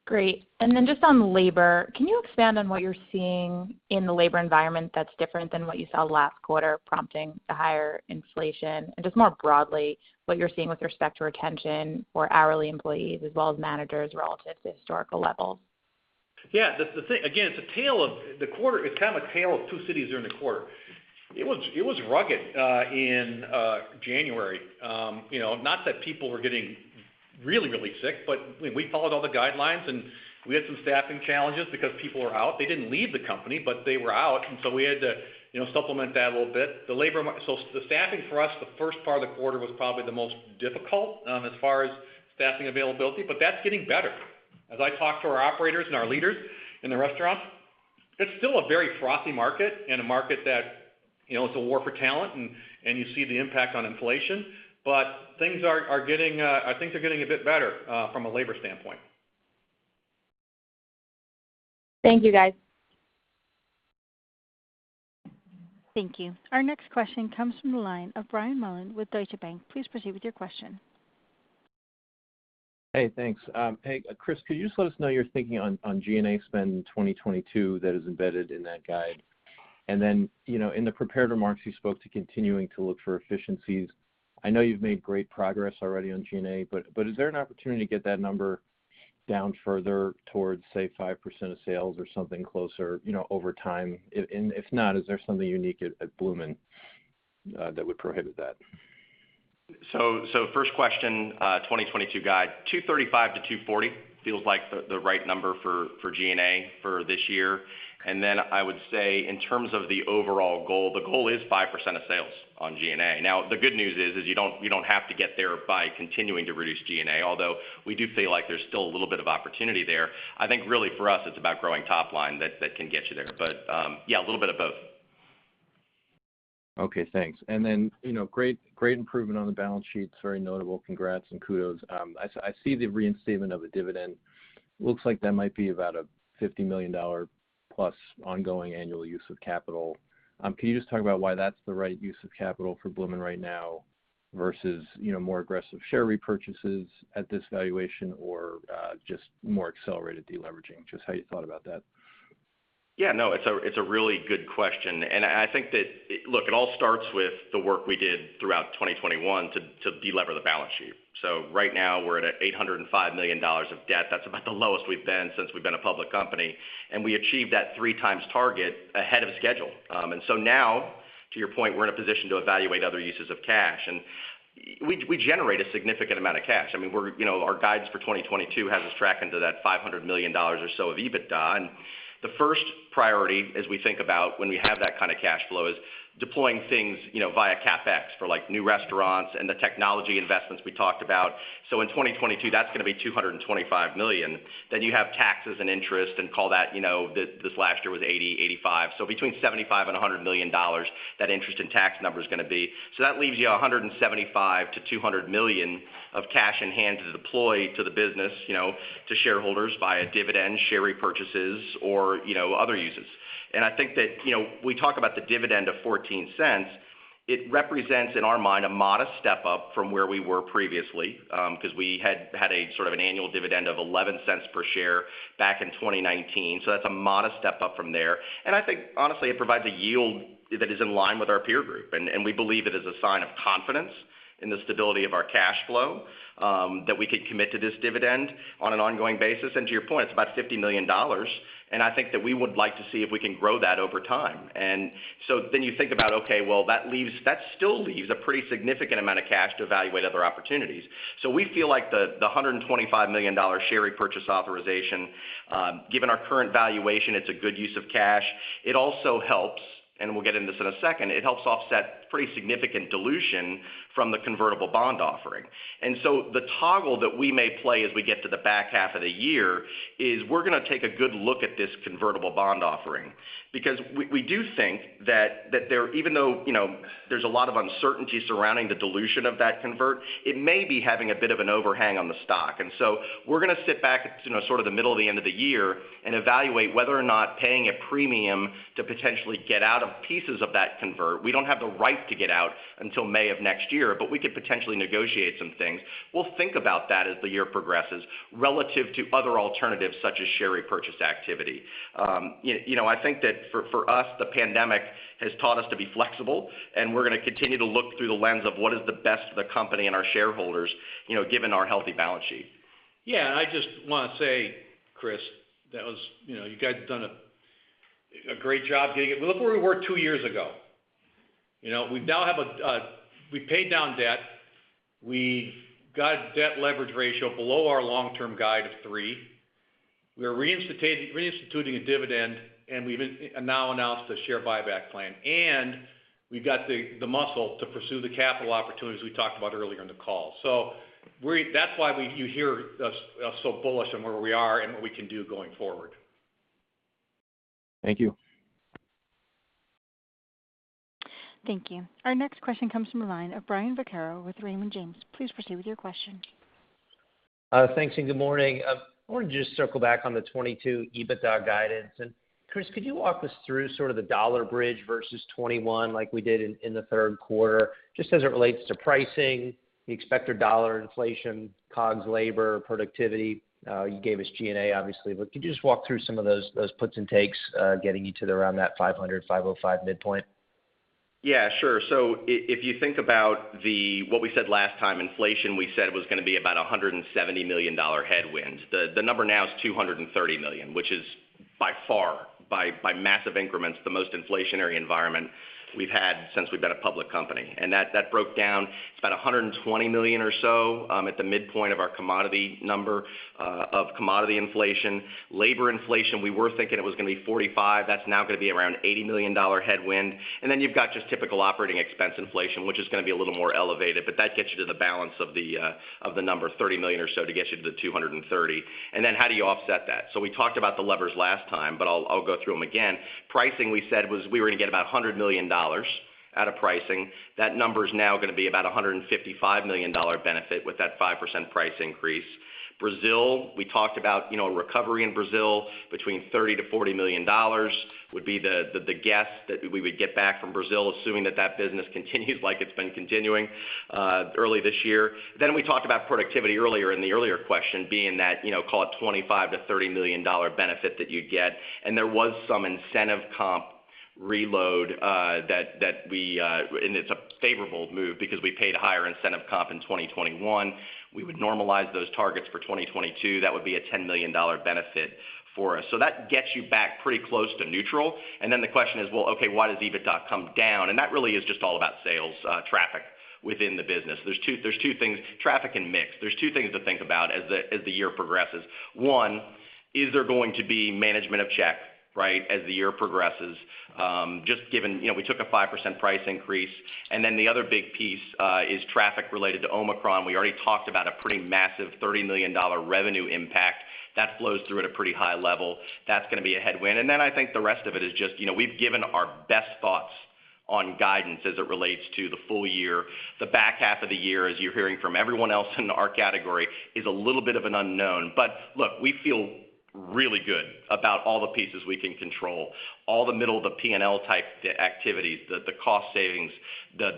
Great. Just on labor, can you expand on what you're seeing in the labor environment that's different than what you saw last quarter, prompting the higher inflation? Just more broadly, what you're seeing with respect to retention for hourly employees as well as managers relative to historical levels. Yeah. The thing, again, it's a tale of the quarter. It's kind of a tale of two cities during the quarter. It was rugged in January. You know, not that people were getting sick, but we followed all the guidelines, and we had some staffing challenges because people were out. They didn't leave the company, but they were out, and so we had to, you know, supplement that a little bit. The staffing for us, the first part of the quarter was probably the most difficult as far as staffing availability, but that's getting better. As I talk to our operators and our leaders in the restaurants, it's still a very frothy market and a market that, you know, it's a war for talent and you see the impact on inflation. Things are getting, I think they're getting a bit better from a labor standpoint. Thank you, guys. Thank you. Our next question comes from the line of Brian Mullan with Deutsche Bank, please proceed with your question. Hey, thanks. Hey, Chris, could you just let us know your thinking on G&A spend in 2022 that is embedded in that guide? And then, you know, in the prepared remarks, you spoke to continuing to look for efficiencies. I know you've made great progress already on G&A, but is there an opportunity to get that number down further towards, say, 5% of sales or something closer, you know, over time? If not, is there something unique at Bloomin' that would prohibit that? First question, 2022 guide. $235-$240 feels like the right number for G&A for this year. I would say in terms of the overall goal, the goal is 5% of sales on G&A. Now, the good news is you don't have to get there by continuing to reduce G&A, although we do feel like there's still a little bit of opportunity there. I think really for us, it's about growing top line that can get you there. Yeah, a little bit of both. Okay, thanks. You know, great improvement on the balance sheets, very notable. Congrats and kudos. I see the reinstatement of the dividend. Looks like that might be about a $50 million plus ongoing annual use of capital. Can you just talk about why that's the right use of capital for Bloomin' right now versus, you know, more aggressive share repurchases at this valuation or, just more accelerated deleveraging? Just how you thought about that. Yeah, no, it's a really good question. I think that, look, it all starts with the work we did throughout 2021 to delever the balance sheet. Right now we're at $805 million of debt. That's about the lowest we've been since we've been a public company, and we achieved that three times target ahead of schedule. Now, to your point, we're in a position to evaluate other uses of cash. We generate a significant amount of cash. I mean, you know, our guidance for 2022 has us tracking to that $500 million or so of EBITDA. The first priority as we think about when we have that kind of cash flow is deploying things, you know, via CapEx for like new restaurants and the technology investments we talked about. In 2022, that's gonna be $225 million. You have taxes and interest and call that, you know, this last year was 85. Between $75 million and $100 million, that interest and tax number is gonna be. That leaves you $175 million-$200 million of cash in hand to deploy to the business, you know, to shareholders via dividend, share repurchases or, you know, other uses. I think that, you know, we talk about the dividend of $0.14. It represents, in our mind, a modest step-up from where we were previously, 'cause we had a sort of an annual dividend of $0.11 per share back in 2019. That's a modest step-up from there. I think honestly it provides a yield that is in line with our peer group, and we believe it is a sign of confidence in the stability of our cash flow, that we could commit to this dividend on an ongoing basis. To your point, it's about $50 million, and I think that we would like to see if we can grow that over time. You think about that still leaves a pretty significant amount of cash to evaluate other opportunities. We feel like the $125 million share repurchase authorization, given our current valuation, it's a good use of cash. It also helps, and we'll get into this in a second, it helps offset pretty significant dilution from the convertible bond offering. The toggle that we may play as we get to the back half of the year is we're gonna take a good look at this convertible bond offering. Because we do think that there even though, you know, there's a lot of uncertainty surrounding the dilution of that convert, it may be having a bit of an overhang on the stock. We're gonna sit back, you know, sort of the middle to the end of the year and evaluate whether or not paying a premium to potentially get out of pieces of that convert. We don't have the right to get out until May of next year, but we could potentially negotiate some things. We'll think about that as the year progresses relative to other alternatives such as share repurchase activity. You know, I think that for us, the pandemic has taught us to be flexible, and we're gonna continue to look through the lens of what is the best for the company and our shareholders, you know, given our healthy balance sheet. Yeah. I just wanna say, Chris, that was. You know, you guys have done a great job getting it. Look where we were two years ago. You know, we now have paid down debt. We got debt leverage ratio below our long-term guide of three. We are reinstituting a dividend, and we've now announced a share buyback plan. We've got the muscle to pursue the capital opportunities we talked about earlier in the call. That's why you hear us so bullish on where we are and what we can do going forward. Thank you. Thank you. Our next question comes from the line of Brian Vaccaro with Raymond James, please proceed with your question. Thanks and good morning. I wanted to just circle back on the 2022 EBITDA guidance. Chris, could you walk us through sort of the dollar bridge versus 2021 like we did in the third quarter, just as it relates to pricing, the expected dollar inflation, COGS, labor, productivity? You gave us G&A obviously, but could you just walk through some of those puts and takes getting you to around that $505 midpoint? Yeah, sure. If you think about what we said last time, inflation, we said was gonna be about $170 million headwind. The number now is $230 million, which is by far, by massive increments, the most inflationary environment we've had since we've been a public company. That broke down, it's about $120 million or so at the midpoint of our commodity number of commodity inflation. Labor inflation, we were thinking it was gonna be $45 million. That's now gonna be around $80 million headwind. Then you've got just typical operating expense inflation, which is gonna be a little more elevated, but that gets you to the balance of the number, $30 million or so to get you to the $230. How do you offset that? We talked about the levers last time, but I'll go through them again. Pricing, we said, was we were gonna get about $100 million out of pricing. That number is now going to be about $155 million dollar benefit with that 5% price increase. Brazil, we talked about, you know, recovery in Brazil between $30 million-$40 million would be the guess that we would get back from Brazil, assuming that business continues like it's been continuing early this year. We talked about productivity earlier in the question being that, you know, call it $25 million-$30 million dollar benefit that you'd get. There was some incentive comp reload that we and it's a favorable move because we paid higher incentive comp in 2021. We would normalize those targets for 2022. That would be a $10 million benefit for us. That gets you back pretty close to neutral. The question is, well, okay, why does EBITDA come down? That really is just all about sales, traffic within the business. There's two things, traffic and mix. There's two things to think about as the year progresses. One, is there going to be management of check, right, as the year progresses? Just given, you know, we took a 5% price increase. The other big piece is traffic related to Omicron. We already talked about a pretty massive $30 million revenue impact. That flows through at a pretty high level. That's going to be a headwind. Then I think the rest of it is just, you know, we've given our best thoughts on guidance as it relates to the full year. The back half of the year, as you're hearing from everyone else in our category, is a little bit of an unknown. Look, we feel really good about all the pieces we can control. All the middle of the PNL type activities, the cost savings, the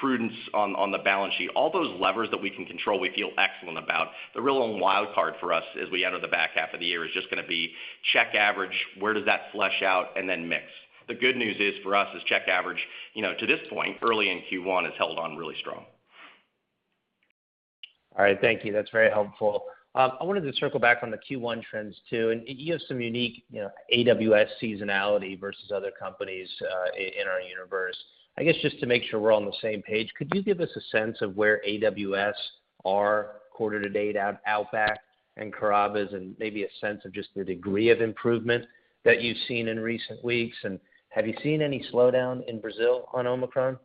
prudence on the balance sheet, all those levers that we can control, we feel excellent about. The real wild card for us as we enter the back half of the year is just going to be check average, where does that flesh out, and then mix. The good news for us is check average, you know, to this point, early in Q1, has held on really strong. All right. Thank you. That's very helpful. I wanted to circle back on the Q1 trends too. You have some unique, you know, AWS seasonality versus other companies in our universe. I guess, just to make sure we're all on the same page, could you give us a sense of where AWS are quarter to date at Outback and Carrabba's, and maybe a sense of just the degree of improvement that you've seen in recent weeks? Have you seen any slowdown in Brazil on Omicron?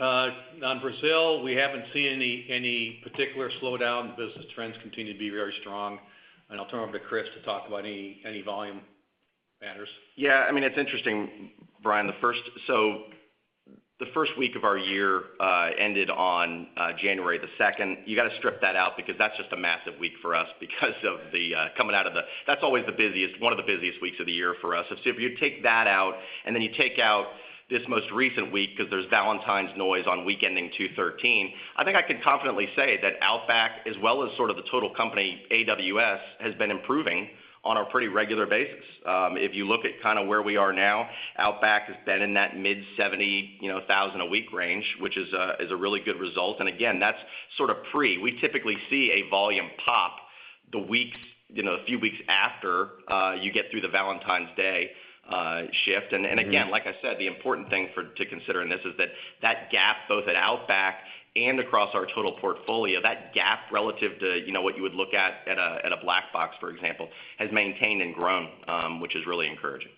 On Brazil, we haven't seen any particular slowdown. Business trends continue to be very strong. I'll turn over to Chris to talk about any volume matters. Yeah. I mean, it's interesting, Brian. The first week of our year ended on January 2. You got to strip that out because that's just a massive week for us because of the coming out of the. That's always the busiest, one of the busiest weeks of the year for us. If you take that out, and then you take out this most recent week because there's Valentine's noise on week ending 2/13, I think I can confidently say that Outback, as well as sort of the total company, AWS, has been improving on a pretty regular basis. If you look at kind of where we are now, Outback has been in that mid-70,000 a week range, which is a really good result. Again, that's sort of pre. We typically see a volume pop in the weeks, you know, a few weeks after you get through the Valentine's Day shift. Again, like I said, the important thing to consider in this is that that gap, both at Outback and across our total portfolio, that gap relative to what you would look at at a Black Box, for example, has maintained and grown, which is really encouraging.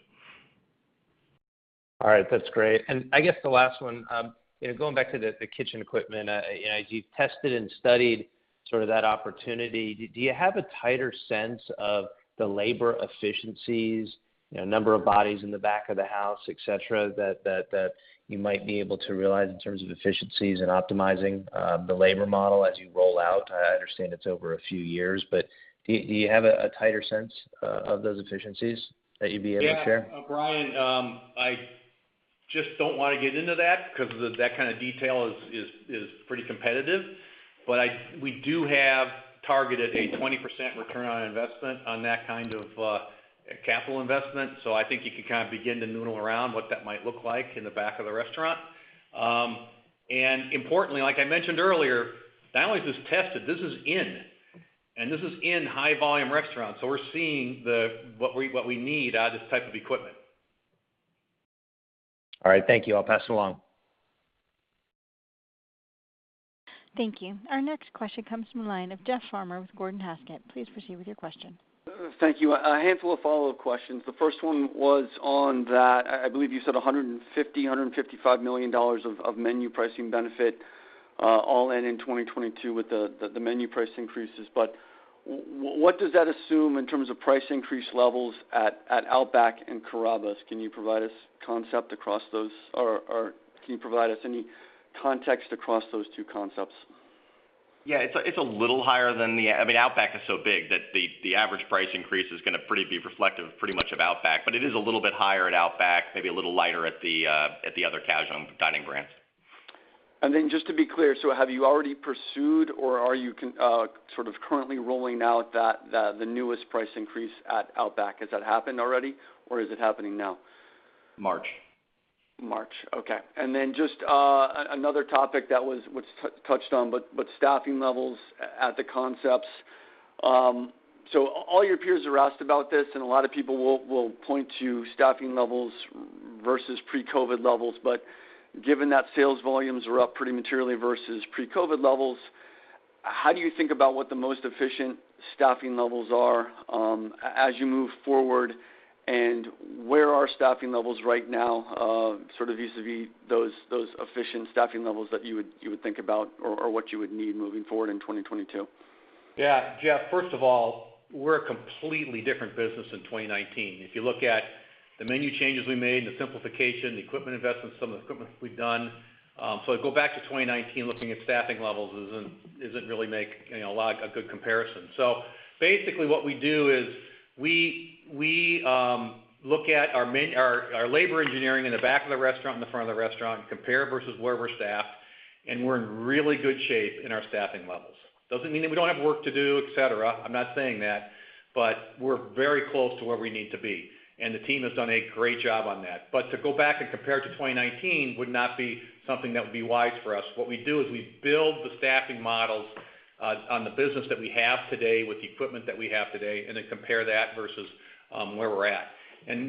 All right. That's great. I guess the last one, you know, going back to the kitchen equipment, you know, as you've tested and studied sort of that opportunity, do you have a tighter sense of the labor efficiencies, you know, number of bodies in the back of the house, et cetera, that you might be able to realize in terms of efficiencies and optimizing the labor model as you roll out? I understand it's over a few years, but do you have a tighter sense of those efficiencies that you'd be able to share? Yeah, Brian, I just don't want to get into that because that kind of detail is pretty competitive. We do have targeted a 20% return on investment on that kind of capital investment. I think you can kind of begin to noodle around what that might look like in the back of the restaurant. Importantly, like I mentioned earlier, not only is this tested, this is in high volume restaurants. We're seeing what we need out of this type of equipment. All right. Thank you. I'll pass it along. Thank you. Our next question comes from the line of Jeff Farmer with Gordon Haskett, please proceed with your question. Thank you. A handful of follow-up questions. The first one was on that. I believe you said $155 million of menu pricing benefit all in 2022 with the menu price increases. What does that assume in terms of price increase levels at Outback and Carrabba's? Can you provide us context across those or can you provide us any context across those two concepts? Yeah. It's a little higher. I mean, Outback is so big that the average price increase is going to pretty be reflective pretty much of Outback. It is a little bit higher at Outback, maybe a little lighter at the other casual dining brands. Just to be clear, have you already pursued or are you sort of currently rolling out that, the newest price increase at Outback? Has that happened already or is it happening now? March. March. Okay. Just another topic that was touched on, but staffing levels at the concepts. So all your peers are asked about this, and a lot of people will point to staffing levels versus pre-COVID levels. Given that sales volumes are up pretty materially versus pre-COVID levels, how do you think about what the most efficient staffing levels are, as you move forward? Where are staffing levels right now, sort of vis-a-vis those efficient staffing levels that you would think about or what you would need moving forward in 2022? Yeah. Jeff, first of all, we're a completely different business in 2019. If you look at the menu changes we made and the simplification, the equipment investments, some of the equipment we've done. To go back to 2019, looking at staffing levels isn't really a good comparison. Basically, what we do is we look at our labor engineering in the back of the restaurant, in the front of the restaurant, compare versus where we're staffed, and we're in really good shape in our staffing levels. Doesn't mean that we don't have work to do, etc. I'm not saying that, but we're very close to where we need to be, and the team has done a great job on that. To go back and compare to 2019 would not be something that would be wise for us. What we do is we build the staffing models on the business that we have today with the equipment that we have today, and then compare that versus where we're at.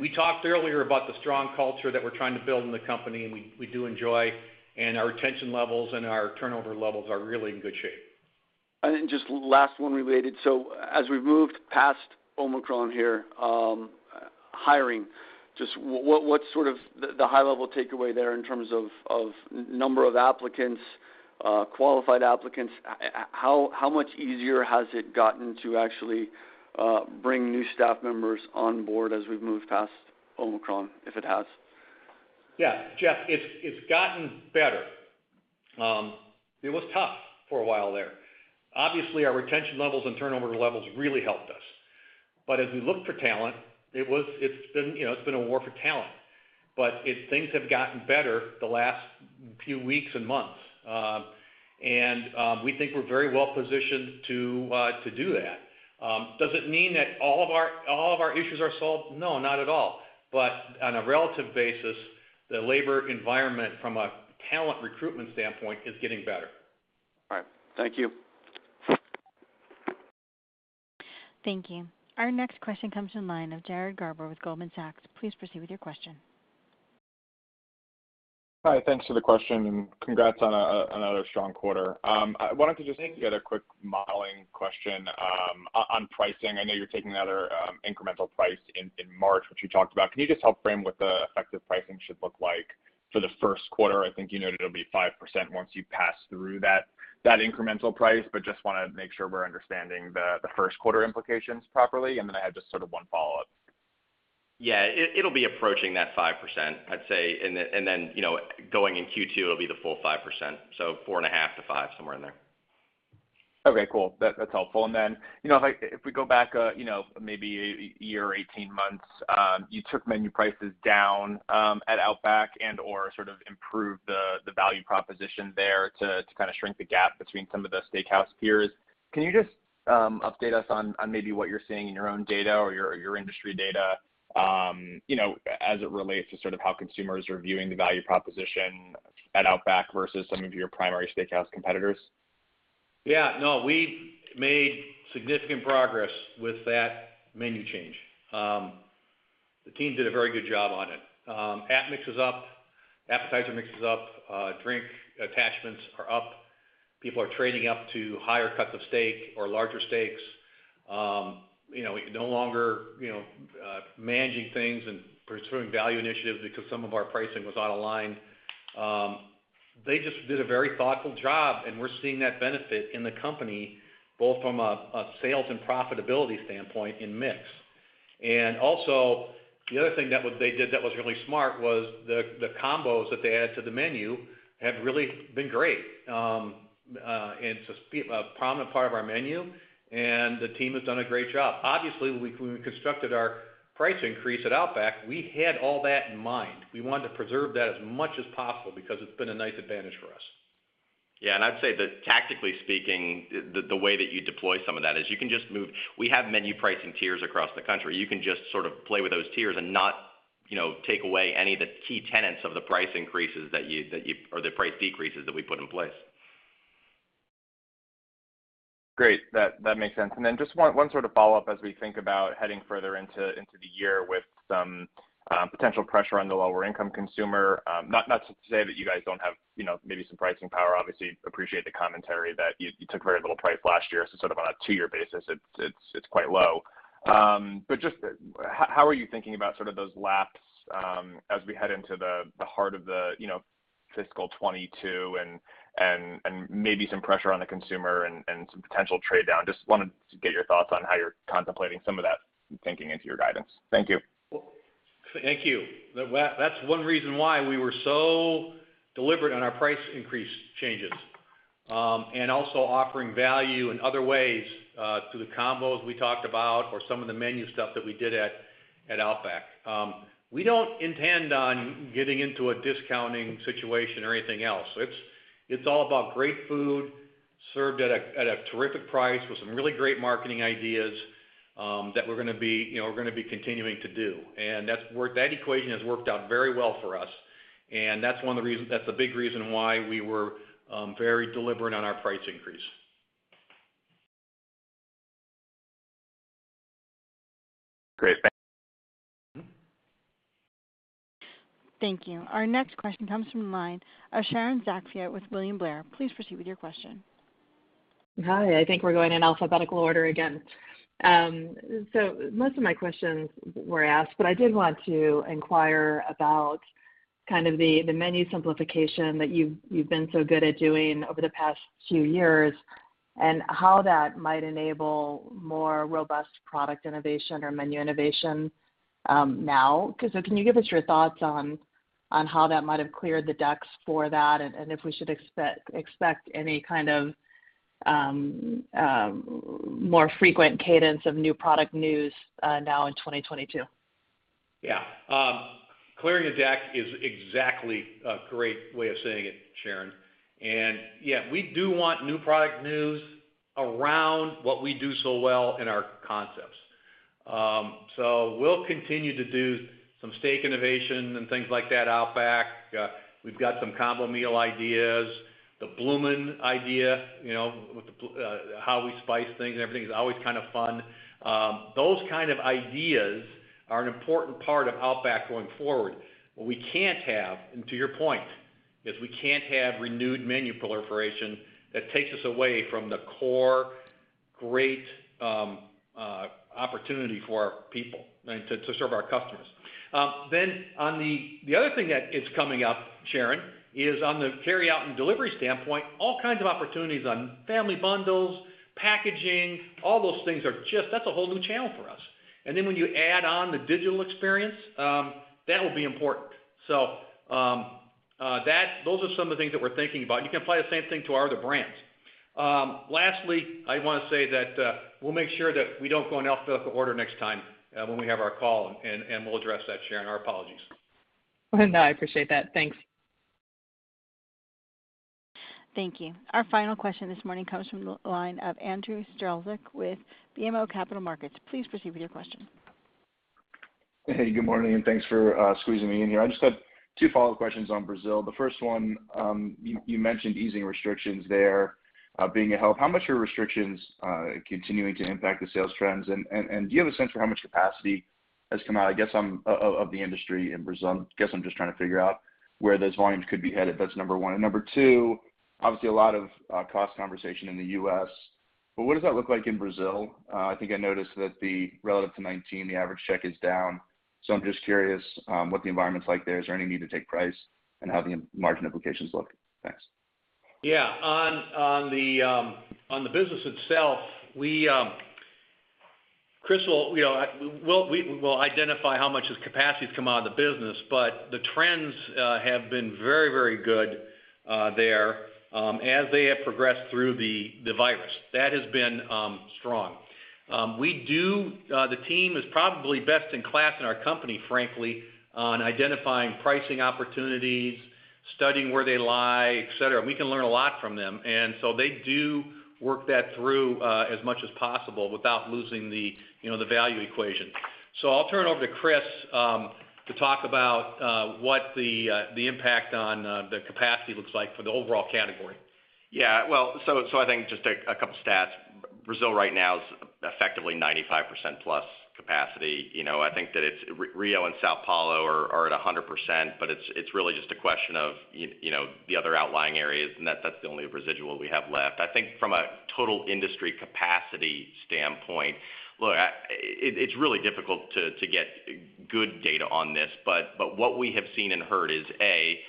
We talked earlier about the strong culture that we're trying to build in the company, and we do enjoy, and our retention levels and our turnover levels are really in good shape. Just last one related. As we moved past Omicron here, hiring, just what's sort of the high level takeaway there in terms of number of applicants, qualified applicants? How much easier has it gotten to actually bring new staff members on board as we've moved past Omicron, if it has? Yeah. Jeff, it's gotten better. It was tough for a while there. Obviously, our retention levels and turnover levels really helped us. But as we look for talent, it's been, you know, a war for talent. Things have gotten better the last few weeks and months. We think we're very well positioned to do that. Does it mean that all of our issues are solved? No, not at all. But on a relative basis, the labor environment from a talent recruitment standpoint is getting better. All right. Thank you. Thank you. Our next question comes from the line of Jared Garber with Goldman Sachs, please proceed with your question. Hi. Thanks for the question and congrats on another strong quarter. I wanted to just get a quick modeling question on pricing. I know you're taking another incremental price in March, which you talked about. Can you just help frame what the effective pricing should look like for the first quarter? I think you noted it'll be 5% once you pass through that incremental price, but just wanna make sure we're understanding the first quarter implications properly. I had just sort of one follow-up. Yeah. It'll be approaching that 5%, I'd say. You know, going in Q2, it'll be the full 5%, so 4.5%-5%, somewhere in there. Okay. Cool. That's helpful. Then, you know, if we go back, you know, maybe a year, 18 months, you took menu prices down at Outback and/or sort of improved the value proposition there to kind of shrink the gap between some of the steakhouse peers. Can you just update us on maybe what you're seeing in your own data or your industry data, you know, as it relates to sort of how consumers are viewing the value proposition at Outback versus some of your primary steakhouse competitors? Yeah. No, we made significant progress with that menu change. The team did a very good job on it. App mix is up, appetizer mix is up, drink attachments are up. People are trading up to higher cuts of steak or larger steaks. You know, no longer, you know, managing things and pursuing value initiatives because some of our pricing was out of line. They just did a very thoughtful job, and we're seeing that benefit in the company, both from a sales and profitability standpoint in mix. Also, the other thing that they did that was really smart was the combos that they added to the menu have really been great, and it's a prominent part of our menu, and the team has done a great job. Obviously, when we constructed our price increase at Outback, we had all that in mind. We wanted to preserve that as much as possible because it's been a nice advantage for us. Yeah. I'd say that tactically speaking, the way that you deploy some of that is you can just move. We have menu pricing tiers across the country. You can just sort of play with those tiers and not, you know, take away any of the key tenets of the price increases that you or the price decreases that we put in place. Great. That makes sense. Just one sort of follow-up as we think about heading further into the year with some potential pressure on the lower income consumer. Not to say that you guys don't have, you know, maybe some pricing power. Obviously, appreciate the commentary that you took very little price last year. Sort of on a two-year basis, it's quite low. Just how are you thinking about sort of those laps as we head into the heart of the, you know, fiscal 2022 and maybe some pressure on the consumer and some potential trade-down? Just wanted to get your thoughts on how you're contemplating some of that thinking into your guidance. Thank you. Thank you. That's one reason why we were so deliberate on our price increase changes, and also offering value in other ways, through the combos we talked about or some of the menu stuff that we did at Outback. We don't intend on getting into a discounting situation or anything else. It's all about great food served at a terrific price with some really great marketing ideas that we're gonna be, you know, continuing to do. That equation has worked out very well for us, and that's a big reason why we were very deliberate on our price increase. Great. Thank you. Thank you. Our next question comes from the line of Sharon Zackfia with William Blair, please proceed with your question. Hi. I think we're going in alphabetical order again. Most of my questions were asked, but I did want to inquire about kind of the menu simplification that you've been so good at doing over the past few years, and how that might enable more robust product innovation or menu innovation now. Can you give us your thoughts on how that might have cleared the decks for that, and if we should expect any kind of more frequent cadence of new product news now in 2022? Yeah. Clearing the deck is exactly a great way of saying it, Sharon. Yeah, we do want new product news around what we do so well in our concepts. We'll continue to do some steak innovation and things like that at Outback. We've got some combo meal ideas. The Bloomin' idea, you know, with how we spice things and everything is always kind of fun. Those kind of ideas are an important part of Outback going forward. What we can't have, and to your point, is we can't have renewed menu proliferation that takes us away from the core, great opportunity for our people and to serve our customers. Then on the other thing that is coming up, Sharon, is on the carryout and delivery standpoint, all kinds of opportunities on family bundles, packaging, all those things are just a whole new channel for us. Then when you add on the digital experience, that will be important. Those are some of the things that we're thinking about, and you can apply the same thing to our other brands. Lastly, I want to say that we'll make sure that we don't go in alphabetical order next time when we have our call, and we'll address that, Sharon. Our apologies. No, I appreciate that. Thanks. Thank you. Our final question this morning comes from the line of Andrew Strelzik with BMO Capital Markets, please proceed with your question. Hey, good morning, and thanks for squeezing me in here. I just had two follow-up questions on Brazil. The first one, you mentioned easing restrictions there being a help. How much are restrictions continuing to impact the sales trends? Do you have a sense for how much capacity has come out, I guess, of the industry in Brazil? I guess I'm just trying to figure out where those volumes could be headed. That's number one. Number two, obviously a lot of cost conversation in the U.S., but what does that look like in Brazil? I think I noticed that relative to 2019, the average check is down. I'm just curious what the environment's like there. Is there any need to take price, and how the margin implications look? Thanks. On the business itself, we will identify how much its capacity has come out of the business. The trends have been very good there as they have progressed through the virus. That has been strong. The team is probably best in class in our company, frankly, on identifying pricing opportunities, studying where they lie, et cetera. We can learn a lot from them, and so they do work that through as much as possible without losing, you know, the value equation. I'll turn it over to Chris to talk about what the impact on the capacity looks like for the overall category. Well, I think just a couple stats. Brazil right now is effectively 95% plus capacity. You know, I think that it's Rio and São Paulo are at 100%, but it's really just a question of you know, the other outlying areas, and that's the only residual we have left. I think from a total industry capacity standpoint, look, it's really difficult to get good data on this. What we have seen and heard is, A,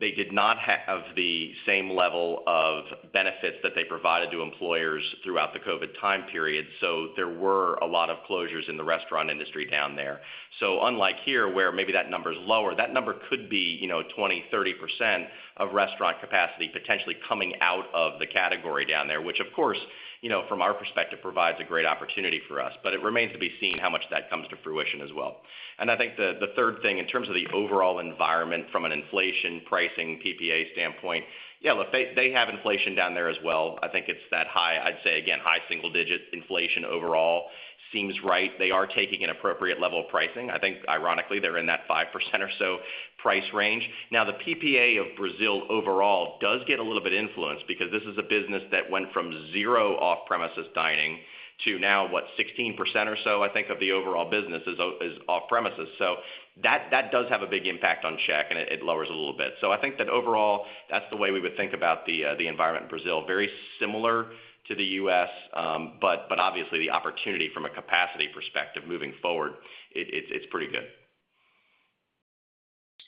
they did not have the same level of benefits that they provided to employees throughout the COVID time period, so there were a lot of closures in the restaurant industry down there. Unlike here, where maybe that number's lower, that number could be, you know, 20%, 30% of restaurant capacity potentially coming out of the category down there, which of course, you know, from our perspective, provides a great opportunity for us. But it remains to be seen how much that comes to fruition as well. I think the third thing, in terms of the overall environment from an inflation pricing PPA standpoint, yeah, look, they have inflation down there as well. I think it's that high. I'd say again, high single digit inflation overall seems right. They are taking an appropriate level of pricing. I think ironically, they're in that 5% or so price range. Now, the PPA of Brazil overall does get a little bit influenced because this is a business that went from zero off-premises dining to now, what, 16% or so, I think, of the overall business is off premises. So that does have a big impact on check, and it lowers it a little bit. I think that overall, that's the way we would think about the environment in Brazil. Very similar to the U.S., but obviously the opportunity from a capacity perspective moving forward, it's pretty good.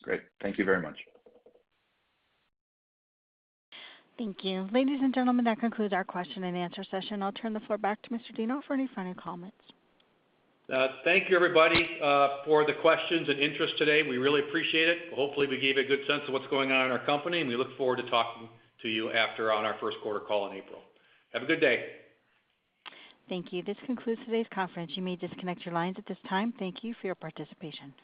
Great. Thank you very much. Thank you. Ladies and gentlemen, that concludes our question and answer session. I'll turn the floor back to Mr. Deno for any final comments. Thank you, everybody, for the questions and interest today. We really appreciate it. Hopefully, we gave you a good sense of what's going on in our company, and we look forward to talking to you after on our first quarter call in April. Have a good day. Thank you. This concludes today's conference, you may disconnect your lines at this time. Thank you for your participation.